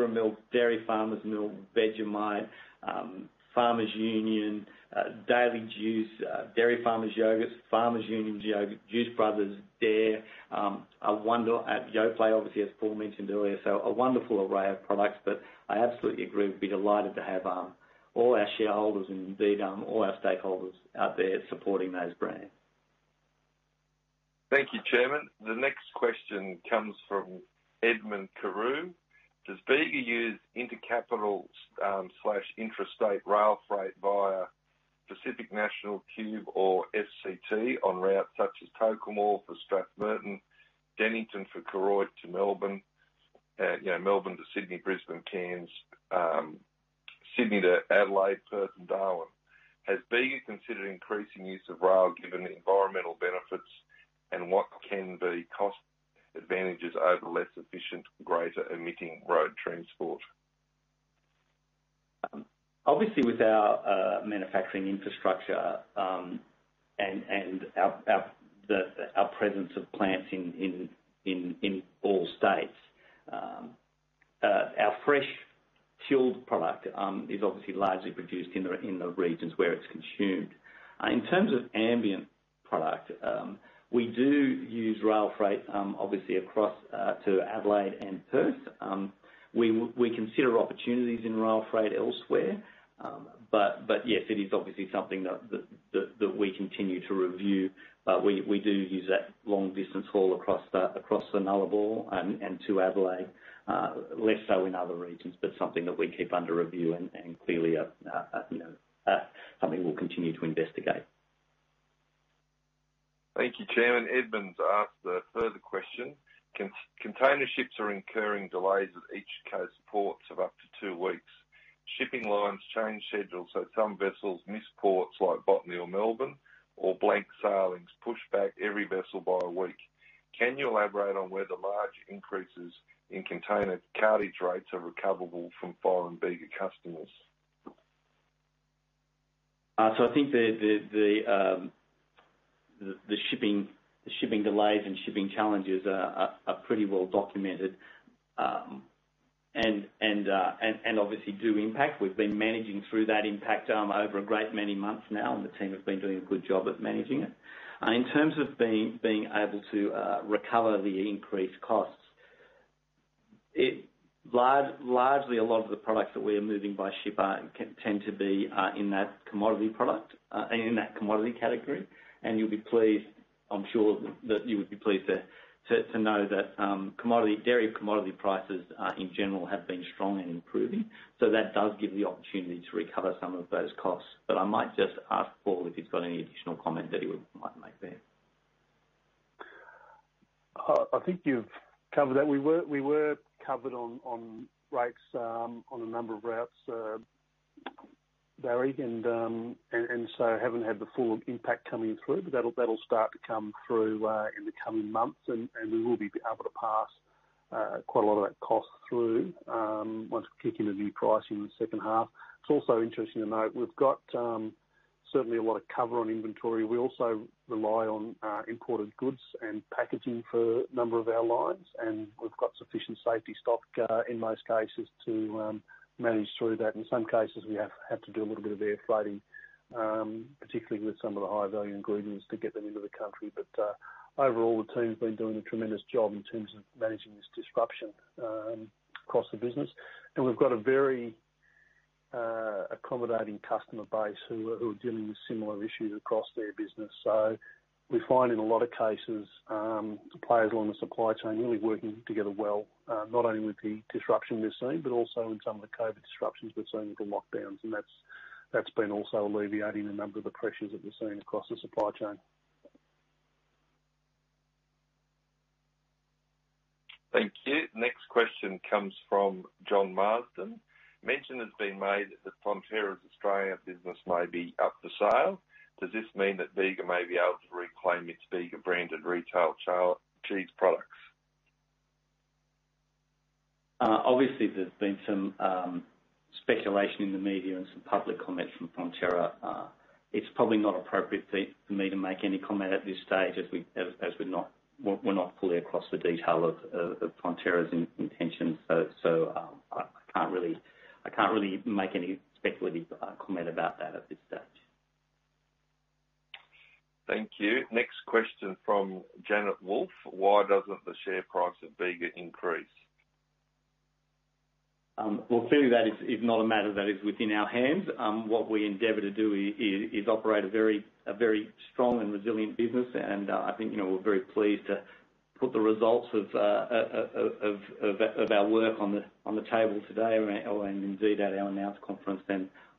Milk, Dairy Farmers Milk, Vegemite, Farmers Union, Daily Juice, Dairy Farmers Yogurts, Farmers Union Yogurt, Juice Brothers, Dare, and Yoplait, obviously, as Paul mentioned earlier. A wonderful array of products. I absolutely agree, we'd be delighted to have all our shareholders and indeed all our stakeholders out there supporting those brands. Thank you, Chairman. The next question comes from Edmund Carew. Does Bega use intercapital/intrastate rail freight via Pacific National, Qube or SCT on routes such as Tocumwal for Strathmerton, Dennington for Koroit to Melbourne? You know, Melbourne to Sydney, Brisbane, Cairns. Sydney to Adelaide, Perth and Darwin. Has Bega considered increasing use of rail given the environmental benefits? What can the cost advantages over less efficient, greater emitting road transport? Obviously with our manufacturing infrastructure and our presence of plants in all states, our fresh chilled product is obviously largely produced in the regions where it's consumed. In terms of ambient product, we do use rail freight obviously across to Adelaide and Perth. We consider opportunities in rail freight elsewhere. Yes, it is obviously something that we continue to review. We do use that long distance haul across the Nullarbor and to Adelaide, less so in other regions, but something that we keep under review and clearly you know something we'll continue to investigate. Thank you, Chairman. Edmund Carew's asked a further question. Container ships are incurring delays at east coast ports of up to two weeks. Shipping lines change schedules, so some vessels miss ports like Botany or Melbourne or blank sailings push back every vessel by a week. Can you elaborate on where the large increases in container cartage rates are recoverable from foreign Bega customers? I think the shipping delays and shipping challenges are pretty well documented. Obviously they do impact. We've been managing through that impact over a great many months now, and the team have been doing a good job at managing it. In terms of being able to recover the increased costs, it largely, a lot of the products that we are moving by ship can tend to be in that commodity product in that commodity category. You'll be pleased, I'm sure that you would be pleased to know that commodity dairy commodity prices in general have been strong and improving. That does give the opportunity to recover some of those costs. I might just ask Paul if he's got any additional comment that he might make there. I think you've covered that. We were covered on rates on a number of routes, Barry. We haven't had the full impact coming through, but that'll start to come through in the coming months. We will be able to pass quite a lot of that cost through once we kick in the new pricing in the second half. It's also interesting to note, we've got certainly a lot of cover on inventory. We also rely on imported goods and packaging for a number of our lines, and we've got sufficient safety stock in most cases to manage through that. In some cases, we have had to do a little bit of air freighting, particularly with some of the higher value ingredients to get them into the country. Overall, the team's been doing a tremendous job in terms of managing this disruption across the business. We've got a very accommodating customer base who are dealing with similar issues across their business. We find in a lot of cases, suppliers along the supply chain really working together well, not only with the disruption we've seen, but also in some of the COVID disruptions we've seen with the lockdowns. That's been also alleviating a number of the pressures that we're seeing across the supply chain. Thank you. Next question comes from John Marsden. Mention has been made that Fonterra's Australia business may be up for sale. Does this mean that Bega may be able to reclaim its Bega-branded retail cheese products? Obviously, there's been some speculation in the media and some public comments from Fonterra. It's probably not appropriate for me to make any comment at this stage as we're not fully across the detail of Fonterra's intentions. I can't really make any speculative comment about that at this stage. Thank you. Next question from Janet Wolfe: Why doesn't the share price of Bega increase? Well, clearly that is not a matter that is within our hands. What we endeavor to do is operate a very strong and resilient business. I think, you know, we're very pleased to put the results of our work on the table today, and indeed at our announced conference.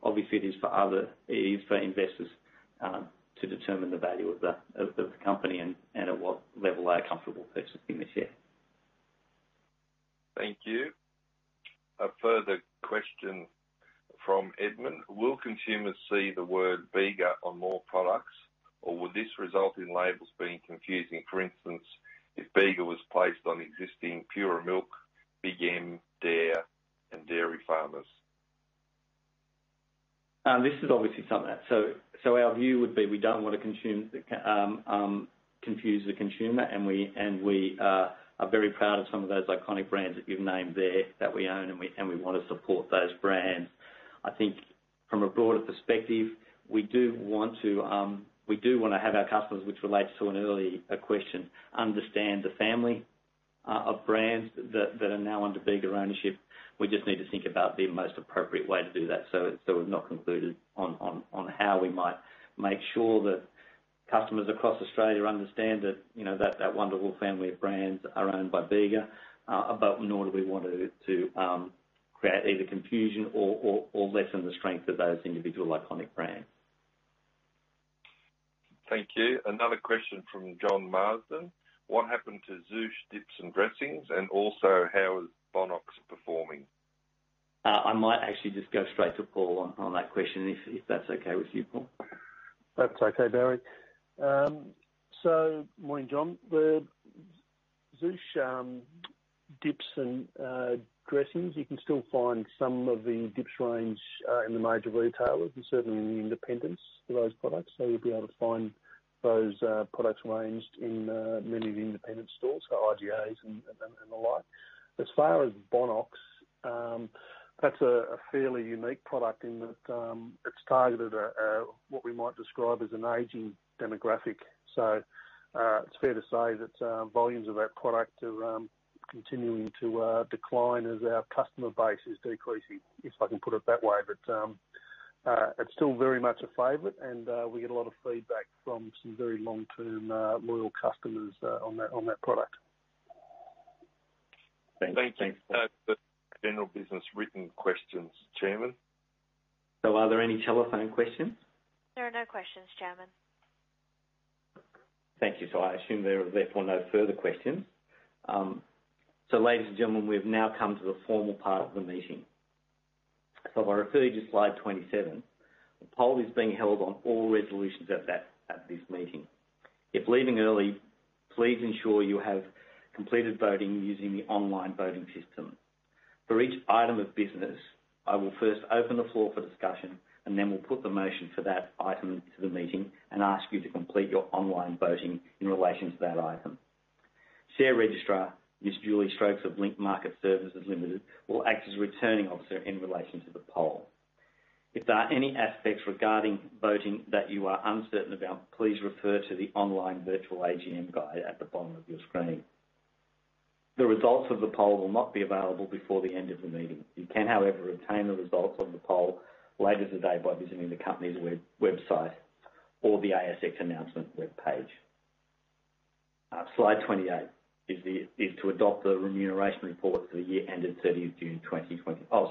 Obviously it is for investors to determine the value of the company and at what level they are comfortable purchasing the share. Thank you. A further question from Edmund Carew: Will consumers see the word Bega on more products or will this result in labels being confusing? For instance, if Bega was placed on existing Pura milk, Bega, Dare and Dairy Farmers Our view would be, we don't want to confuse the consumer, and we are very proud of some of those iconic brands that you've named there that we own, and we want to support those brands. I think from a broader perspective, we do want to have our customers, which relates to an early question, understand the family of brands that are now under Bega ownership. We just need to think about the most appropriate way to do that. We've not concluded on how we might make sure that customers across Australia understand that, you know, that wonderful family of brands are owned by Bega, but nor do we want to create either confusion or lessen the strength of those individual iconic brands. Thank you. Another question from John Marsden. What happened to Zoosh dips and dressings? And also, how is Bonox performing? I might actually just go straight to Paul on that question if that's okay with you, Paul? That's okay, Barry. Morning, John. The Zoosh dips and dressings, you can still find some of the dips range in the major retailers and certainly in the independents for those products. You'll be able to find those products ranged in many of the independent stores, so IGAs and the like. As far as Bonox, that's a fairly unique product in that it's targeted at what we might describe as an aging demographic. It's fair to say that volumes of that product are continuing to decline as our customer base is decreasing, if I can put it that way. It's still very much a favorite and we get a lot of feedback from some very long-term loyal customers on that product. Thank you. That's the general business written questions, Chairman. Are there any telephone questions? There are no questions, Chairman. Thank you. I assume there are therefore no further questions. Ladies and gentlemen, we've now come to the formal part of the meeting. If I refer you to slide 27, a poll is being held on all resolutions at this meeting. If leaving early, please ensure you have completed voting using the online voting system. For each item of business, I will first open the floor for discussion, and then we'll put the motion for that item to the meeting and ask you to complete your online voting in relation to that item. Share Registrar, Ms. Julie Stokes of Link Market Services Limited, will act as Returning Officer in relation to the poll. If there are any aspects regarding voting that you are uncertain about, please refer to the online virtual AGM guide at the bottom of your screen. The results of the poll will not be available before the end of the meeting. You can, however, obtain the results of the poll later today by visiting the company's website or the ASX announcement webpage. Slide 28 is to adopt the remuneration report for the year ended 30 June 2021.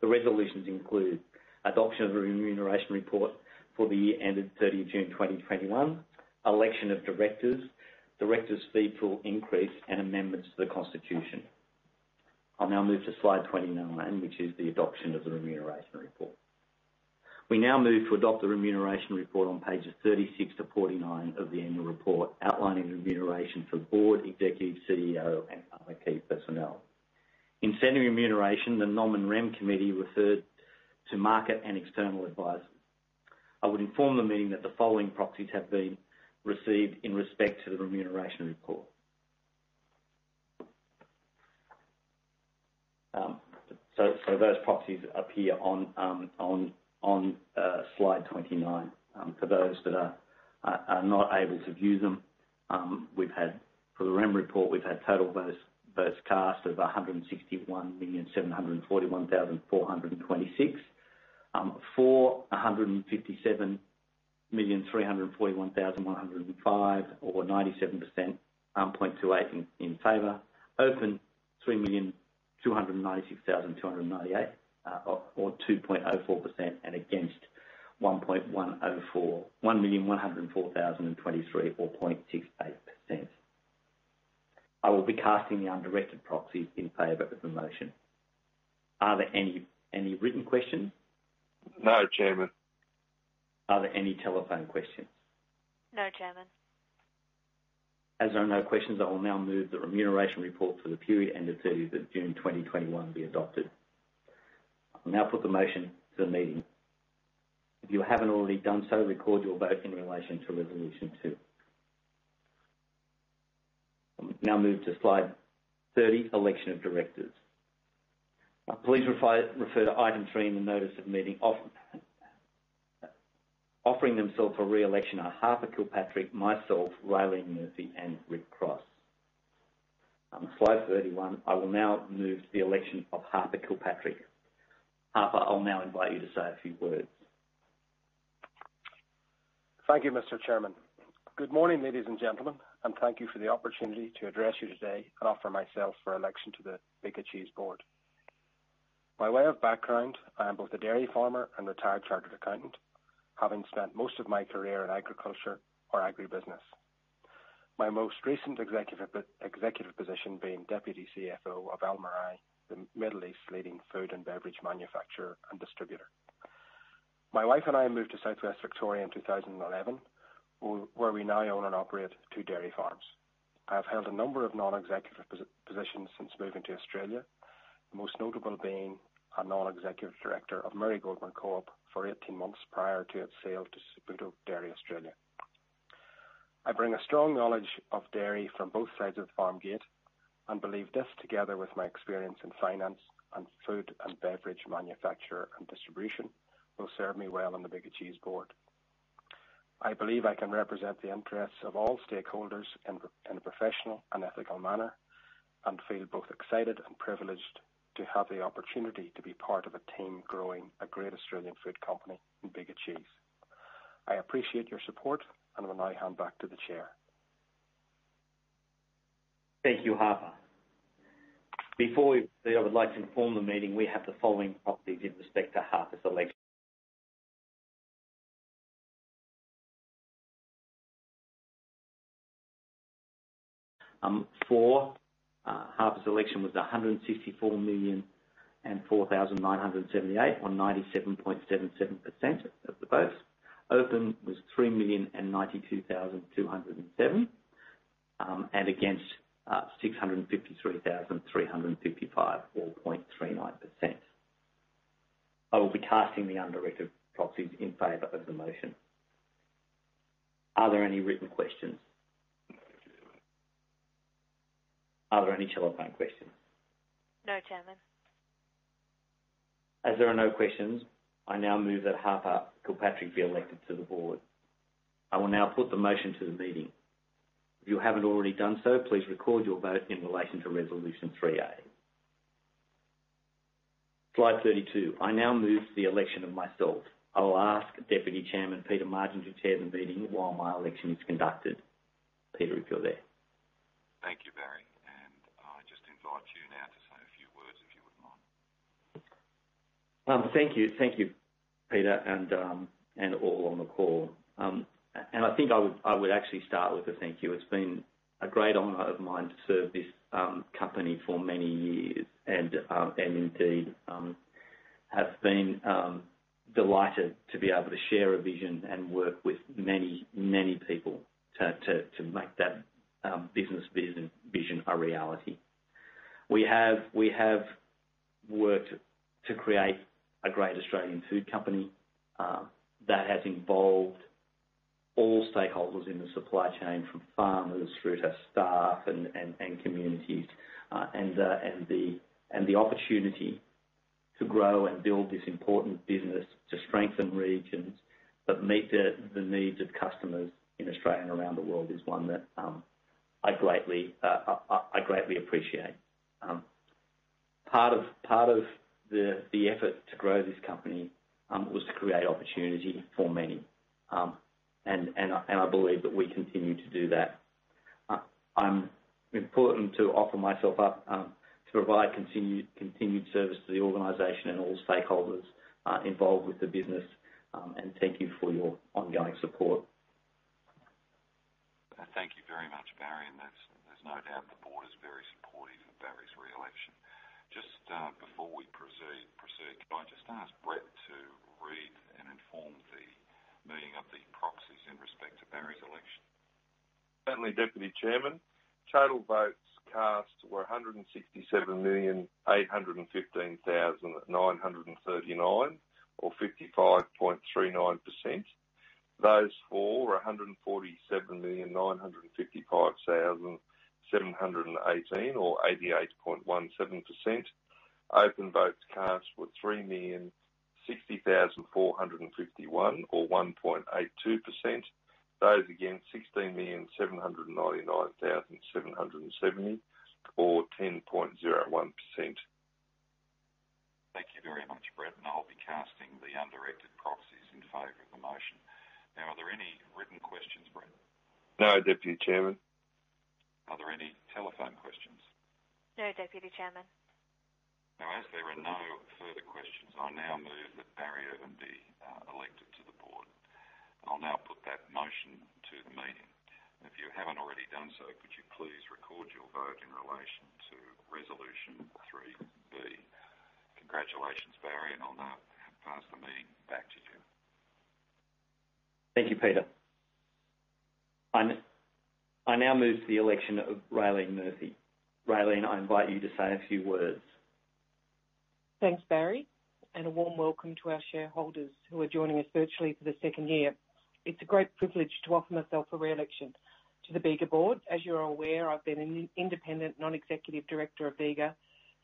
The resolutions include adoption of the remuneration report for the year ended 30 June 2021, election of directors' fee pool increase and amendments to the constitution. I'll now move to slide 29, which is the adoption of the remuneration report. We now move to adopt the remuneration report on pages 36 to 49 of the annual report, outlining the remuneration for board, executive, CEO and other key personnel. In setting remuneration, the Nom and Rem Committee referred to market and external advisers. I would inform the meeting that the following proxies have been received in respect to the remuneration report. Those proxies appear on slide 29. For those that are not able to view them, we've had for the rem report total votes cast of 161,741,426. 157,341,105 or 97.28% in favor. Abstain 3,296,298 or 2.04% and against 1,104,023 or 0.68%. I will be casting the undirected proxies in favor of the motion. Are there any written questions? No, Chairman. Are there any telephone questions? No, Chairman. As there are no questions, I will now move the Remuneration Report for the period ended 30 June 2021 be adopted. I will now put the motion to the meeting. If you haven't already done so, record your vote in relation to resolution two. I will now move to slide 30, election of directors. Please refer to item three in the Notice of Meeting. Offering themselves for re-election are Harper Kilpatrick, myself, Raelene Murphy and Rick Cross. Slide 31, I will now move to the election of Harper Kilpatrick. Harper, I'll now invite you to say a few words. Thank you, Mr. Chairman. Good morning, ladies and gentlemen, and thank you for the opportunity to address you today and offer myself for election to the Bega Cheese board. By way of background, I am both a dairy farmer and retired chartered accountant, having spent most of my career in agriculture or agribusiness. My most recent executive position being Deputy CFO of Almarai, the Middle East's leading food and beverage manufacturer and distributor. My wife and I moved to Southwest Victoria in 2011, where we now own and operate two dairy farms. I have held a number of non-executive positions since moving to Australia, most notable being a non-executive director of Murray Goulburn Co-op for 18 months prior to its sale to Saputo Dairy Australia. I bring a strong knowledge of dairy from both sides of the farm gate and believe this, together with my experience in finance and food and beverage manufacture and distribution, will serve me well on the Bega Cheese board. I believe I can represent the interests of all stakeholders in a professional and ethical manner, and feel both excited and privileged to have the opportunity to be part of a team growing a great Australian food company in Bega Cheese. I appreciate your support and will now hand back to the chair. Thank you, Harper. Before we proceed, I would like to inform the meeting we have the following proxies in respect to Harper's election. For Harper's election was 164,004,978 or 97.77% of the vote. Abstain was 3,092,207, and against 653,355 or 0.39%. I will be casting the undirected proxies in favor of the motion. Are there any written questions? No, Chairman. Are there any telephone questions? No, Chairman. As there are no questions, I now move that Harper Kilpatrick be elected to the board. I will now put the motion to the meeting. If you haven't already done so, please record your vote in relation to Resolution 3A. Slide 32. I now move to the election of myself. I will ask Deputy Chairman Peter Margin to chair the meeting while my election is conducted. Peter, if you're there. Thank you, Barry, and I just invite you now to say a few words, if you wouldn't mind. Thank you. Thank you, Peter, and all on the call. I think I would actually start with a thank you. It's been a great honor of mine to serve this company for many years and indeed have been delighted to be able to share a vision and work with many people to make that business vision a reality. We have worked to create a great Australian food company that has involved all stakeholders in the supply chain, from farmers through to staff and communities. The opportunity to grow and build this important business to strengthen regions that meet the needs of customers in Australia and around the world is one that I greatly appreciate. Part of the effort to grow this company was to create opportunity for many. I believe that we continue to do that. It's important to offer myself up to provide continued service to the organization and all stakeholders involved with the business. Thank you for your ongoing support. Thank you very much, Barry. There's no doubt the board is very supportive of Barry's re-election. Just before we proceed, can I just ask Brett to read and inform the meeting of the proxies in respect to Barry's election? Certainly, Deputy Chairman. Total votes cast were 167,815,939, or 55.39%. Those for are 147,955,718, or 88.17%. Open votes cast were 3,060,451 or 1.82%. Those against, 16,799,770, or 10.01%. Thank you very much, Brett, and I'll be casting the undirected proxies in favor of the motion. Now, are there any written questions, Brett? No, Deputy Chairman. Are there any telephone questions? No, Deputy Chairman. Now, as there are no further questions, I now move that Barry Irvin be elected to the board. I'll now put that motion to the meeting. If you haven't already done so, could you please record your vote in relation to Resolution Three B. Congratulations, Barry Irvin, and I'll now pass the meeting back to you. Thank you, Peter. I now move to the election of Raelene Murphy. Raelene, I invite you to say a few words. Thanks, Barry, and a warm welcome to our shareholders who are joining us virtually for the second year. It's a great privilege to offer myself for re-election to the Bega board. As you are aware, I've been an independent non-executive director of Bega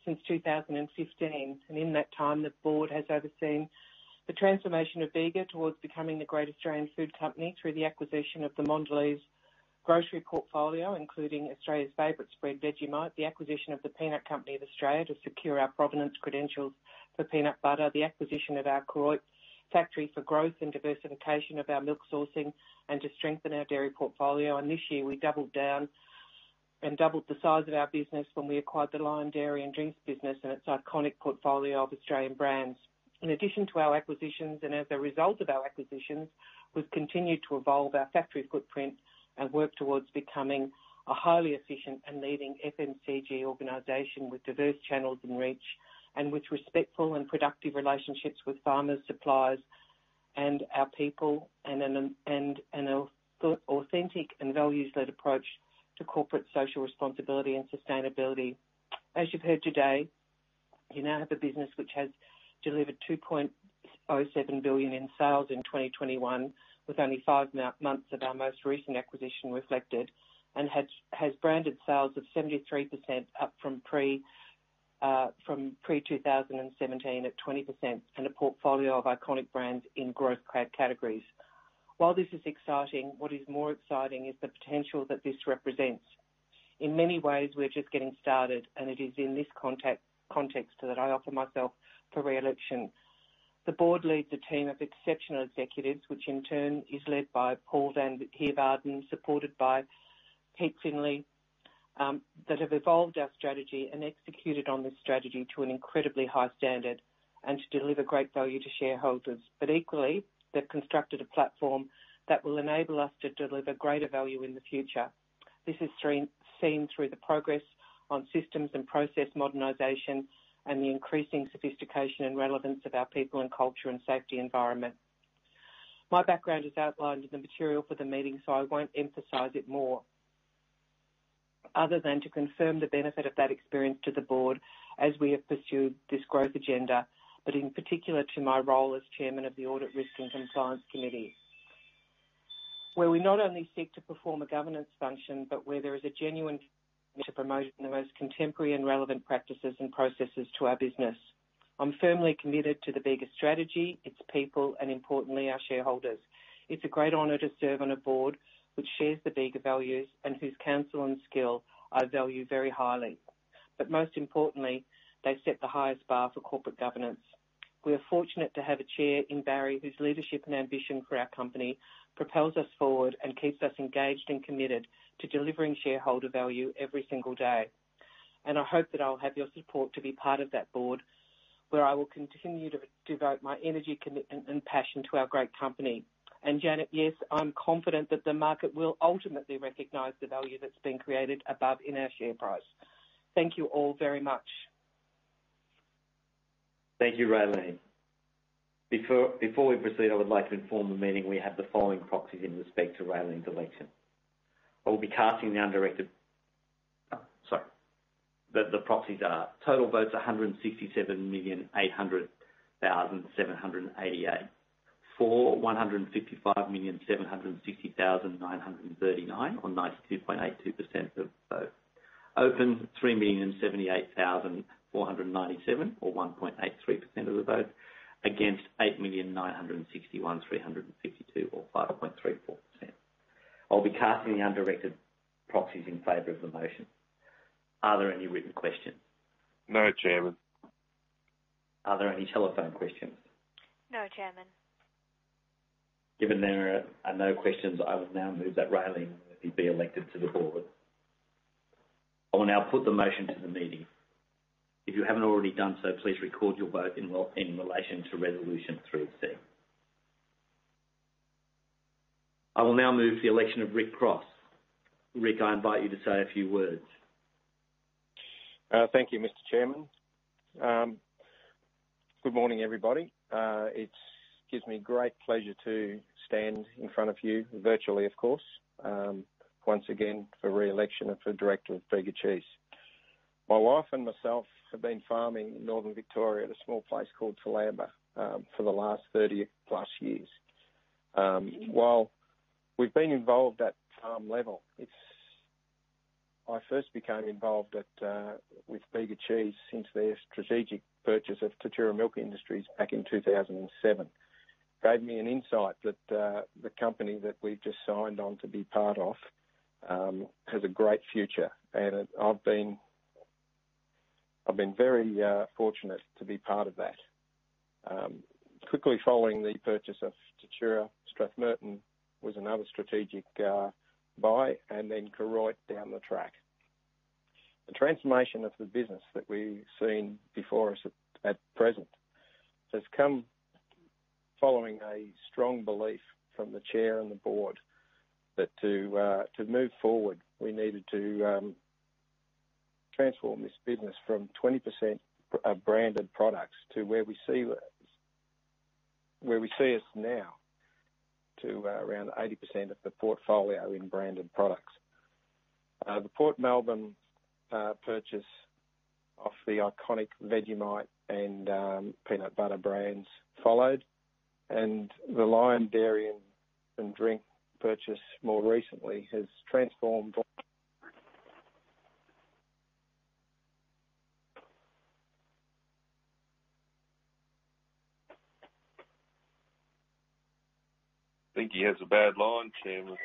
since 2015, and in that time, the board has overseen the transformation of Bega towards becoming the great Australian food company through the acquisition of the Mondelez grocery portfolio, including Australia's favorite spread, Vegemite. The acquisition of the Peanut Company of Australia to secure our provenance credentials for peanut butter. The acquisition of our Cooyar factory for growth and diversification of our milk sourcing and to strengthen our dairy portfolio. This year we doubled down and doubled the size of our business when we acquired the Lion Dairy & Drinks business and its iconic portfolio of Australian brands. In addition to our acquisitions, and as a result of our acquisitions, we've continued to evolve our factory footprint and work towards becoming a highly efficient and leading FMCG organization with diverse channels and reach and with respectful and productive relationships with farmers, suppliers, and our people and an authentic and values-led approach to corporate social responsibility and sustainability. As you've heard today, you now have a business which has delivered 2.07 billion in sales in 2021, with only five months of our most recent acquisition reflected, and has branded sales of 73% up from pre-2017 at 20% and a portfolio of iconic brands in growth categories. While this is exciting, what is more exciting is the potential that this represents. In many ways, we're just getting started, and it is in this context that I offer myself for re-election. The board leads a team of exceptional executives, which in turn is led by Paul van Heerwaarden, supported by Pete Findlay, that have evolved our strategy and executed on this strategy to an incredibly high standard and to deliver great value to shareholders. Equally, they've constructed a platform that will enable us to deliver greater value in the future. This is seen through the progress on systems and process modernization and the increasing sophistication and relevance of our people and culture and safety environment. My background is outlined in the material for the meeting, so I won't emphasize it more, other than to confirm the benefit of that experience to the board as we have pursued this growth agenda, but in particular to my role as Chairman of the Audit, Risk and Compliance Committee, where we not only seek to perform a governance function, but where there is a genuine commitment to promote the most contemporary and relevant practices and processes to our business. I'm firmly committed to the Bega strategy, its people, and importantly, our shareholders. It's a great honor to serve on a board which shares the Bega values and whose counsel and skill I value very highly. Most importantly, they set the highest bar for corporate governance. We are fortunate to have a chair in Barry, whose leadership and ambition for our company propels us forward and keeps us engaged and committed to delivering shareholder value every single day. I hope that I'll have your support to be part of that board, where I will continue to devote my energy, commitment and passion to our great company. Janet, yes, I'm confident that the market will ultimately recognize the value that's been created above in our share price. Thank you all very much. Thank you, Raelene. Before we proceed, I would like to inform the meeting we have the following proxies in respect to Raelene's election. I will be casting the undirected proxies in favor of the motion. The proxies are: total votes, 167,800,788. For, 155,760,939, or 92.82% of the vote. Open, 3,078,497, or 1.83% of the vote. Against, 8,961,352, or 5.34%. I'll be casting the undirected proxies in favor of the motion. Are there any written questions? No, Chairman. Are there any telephone questions? No, Chairman. Given there are no questions, I would now move that Raelene Murphy be elected to the board. I will now put the motion to the meeting. If you haven't already done so, please record your vote in relation to resolution three C. I will now move the election of Rick Cross. Rick, I invite you to say a few words. Thank you, Mr. Chairman. Good morning, everybody. It gives me great pleasure to stand in front of you, virtually, of course, once again for re-election as director of Bega Cheese. My wife and myself have been farming in Northern Victoria at a small place called Toolamba for the last 30+ years. While we've been involved at farm level, I first became involved with Bega Cheese since their strategic purchase of TATURA Milk Industries back in 2007. Gave me an insight that the company that we've just signed on to be part of has a great future, and I've been very fortunate to be part of that. Quickly following the purchase of TATURA, Strathmerton was another strategic buy, and then Koroit down the track. The transformation of the business that we've seen before us at present has come following a strong belief from the chair and the board that to move forward, we needed to transform this business from 20% branded products to where we see us now to around 80% of the portfolio in branded products. The Port Melbourne purchase of the iconic Vegemite and peanut butter brands followed, and the Lion Dairy & Drinks purchase more recently has transformed I think he has a bad line, Chairman.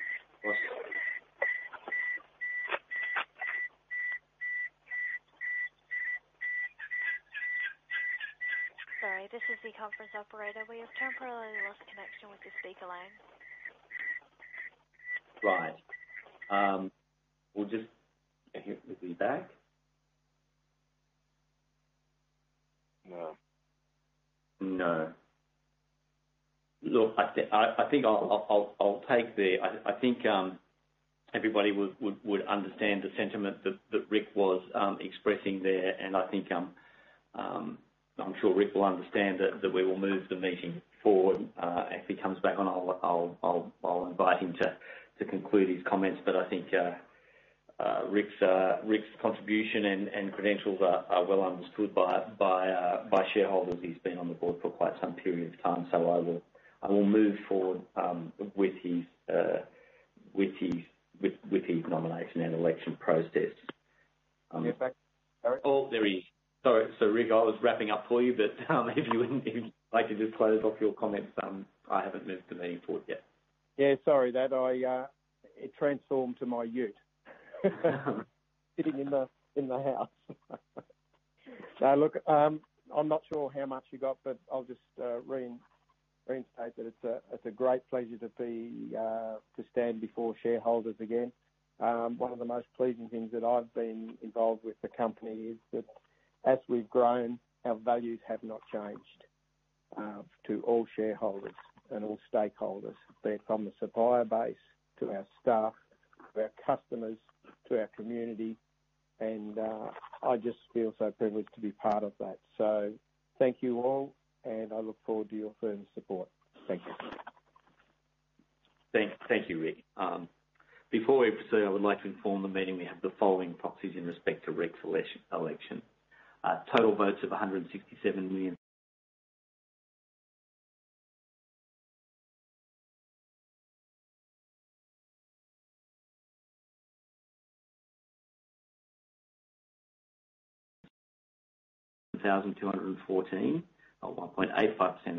Sorry, this is the conference operator. We have temporarily lost connection with the speaker line. Right. Is he back? No. No. Look, I think everybody would understand the sentiment that Rick was expressing there. I think, I'm sure Rick will understand that we will move the meeting forward. If he comes back on, I'll invite him to conclude his comments. I think Rick's contribution and credentials are well understood by shareholders. He's been on the board for quite some period of time, so I will move forward with his nomination and election process. You're back, Rick. Oh, there he is. Sorry, so Rick, I was wrapping up for you, but if you would like to just close off your comments, I haven't moved the meeting forward yet. Yeah, sorry that I it transformed to my ute. Sitting in the house. Now look, I'm not sure how much you got, but I'll just reiterate that it's a great pleasure to be to stand before shareholders again. One of the most pleasing things that I've been involved with the company is that as we've grown, our values have not changed to all shareholders and all stakeholders, be it from the supplier base to our staff, to our customers, to our community, and I just feel so privileged to be part of that. Thank you all, and I look forward to your firm support. Thank you. Thank you, Rick. Before we proceed, I would like to inform the meeting we have the following proxies in respect to Rick's election. Total votes of 167,214 or 1.85% of the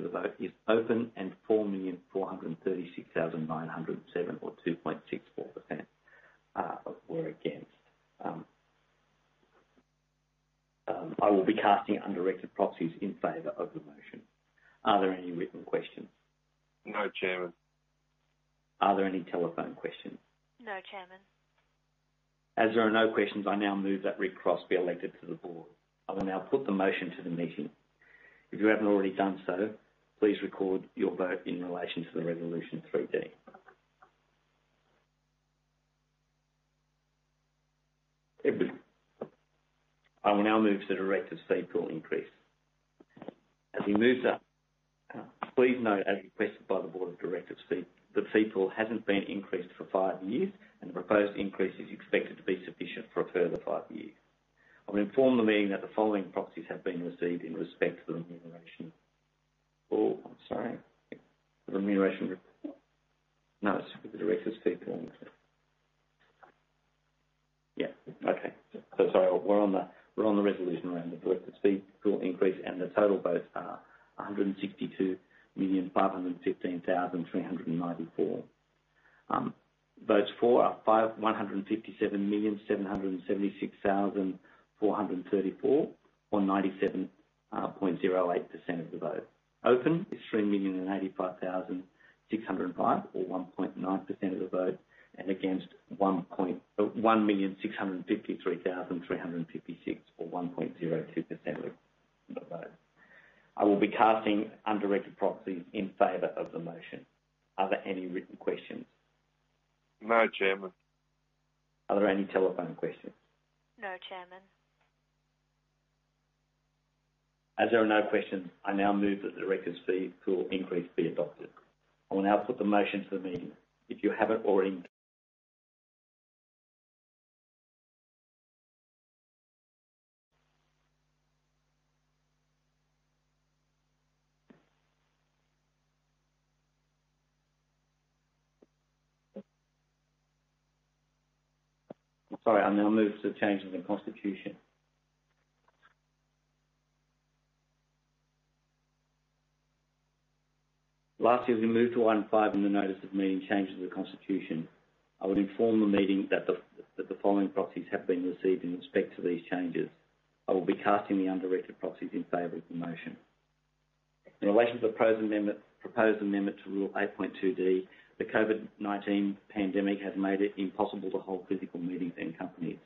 vote is open, and 4,436,907 or 2.64% were against. I will be casting undirected proxies in favor of the motion. Are there any written questions? No, Chairman. Are there any telephone questions? No, Chairman. As there are no questions, I now move that Rick Cross be elected to the board. I will now put the motion to the meeting. If you haven't already done so, please record your vote in relation to the resolution 3D. I will now move to the directors' fee pool increase. Please note, as requested by the board of directors' fee, the fee pool hasn't been increased for five years, and the proposed increase is expected to be sufficient for a further five years. I will inform the meeting that the following proxies have been received in respect to the directors' fee pool. Yeah, okay. Sorry. We're on the resolution around the directors' fee pool increase, and the total votes are 162,515,394. Votes for are 157,776,434 or 97.08% of the vote. Open is 3,085,605 or 1.9% of the vote, and against 1,653,356 or 1.02% of the vote. I will be casting undirected proxies in favor of the motion. Are there any written questions? No, Chairman. Are there any telephone questions? No, Chairman. As there are no questions, I now move that the directors' fee pool increase be adopted. I will now put the motion to the meeting. I'm sorry. I now move to the changes in constitution. Lastly, as we move to item five in the notice of meeting, changes in the constitution, I would inform the meeting that the following proxies have been received in respect to these changes. I will be casting the undirected proxies in favor of the motion. In relation to the proposed amendment to Rule 8.2D, the COVID-19 pandemic has made it impossible to hold physical meetings in companies.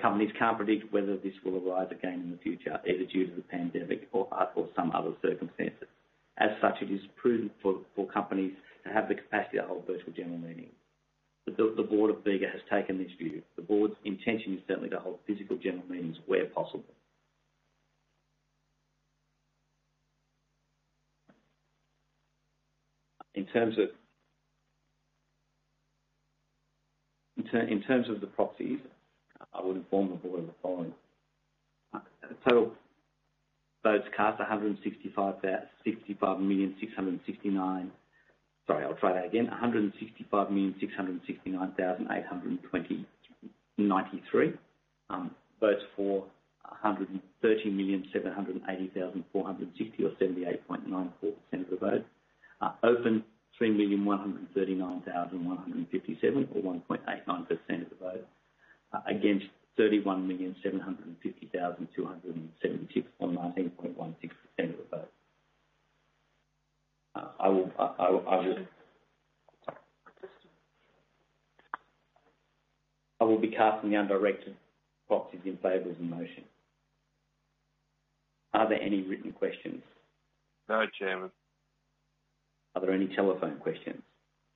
Companies can't predict whether this will arise again in the future, either due to the pandemic or some other circumstances. As such, it is prudent for companies to have the capacity to hold virtual general meetings. The board of Bega has taken this view. The board's intention is certainly to hold physical general meetings where possible. In terms of the proxies, I would inform the board of the following. Total votes cast, 165,669,893. Votes for, 130,780,460 or 78.94% of the vote. Open, 3,139,157 or 1.89% of the vote. Against 31,750,276 or 19.16% of the vote. I will be casting the undirected proxies in favor of the motion. Are there any written questions? No, Chairman. Are there any telephone questions?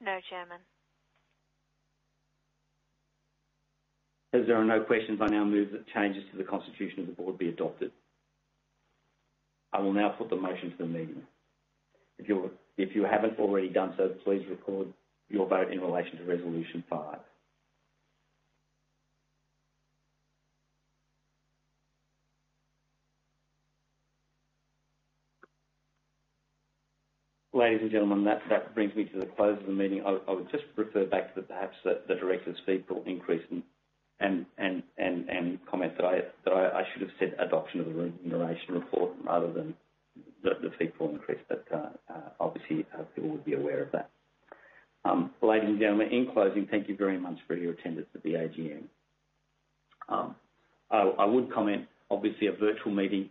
No, Chairman. As there are no questions, I now move that changes to the constitution of the board be adopted. I will now put the motion to the meeting. If you haven't already done so, please record your vote in relation to resolution five. Ladies and gentlemen, that brings me to the close of the meeting. I would just refer back to perhaps the directors' fee pool increase and comment that I should have said adoption of the remuneration report rather than the fee pool increase, but obviously people would be aware of that. Ladies and gentlemen, in closing, thank you very much for your attendance at the AGM. I would comment, obviously, a virtual meeting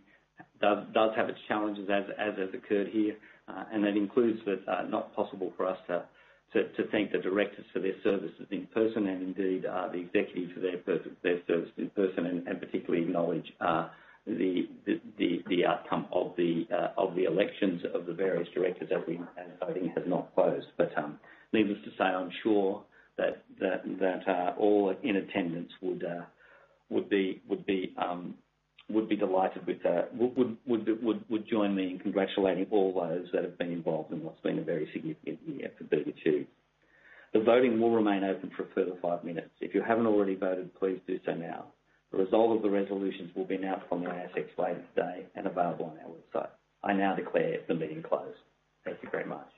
does have its challenges as has occurred here. It's not possible for us to thank the directors for their services in person and indeed the executives for their service in person and particularly acknowledge the outcome of the elections of the various directors as voting has not closed. Needless to say, I'm sure that all in attendance would be delighted with the outcome and would join me in congratulating all those that have been involved in what's been a very significant year for Bega Cheese. The voting will remain open for a further five minutes. If you haven't already voted, please do so now. The result of the resolutions will be announced on the ASX later today and available on our website. I now declare the meeting closed. Thank you very much.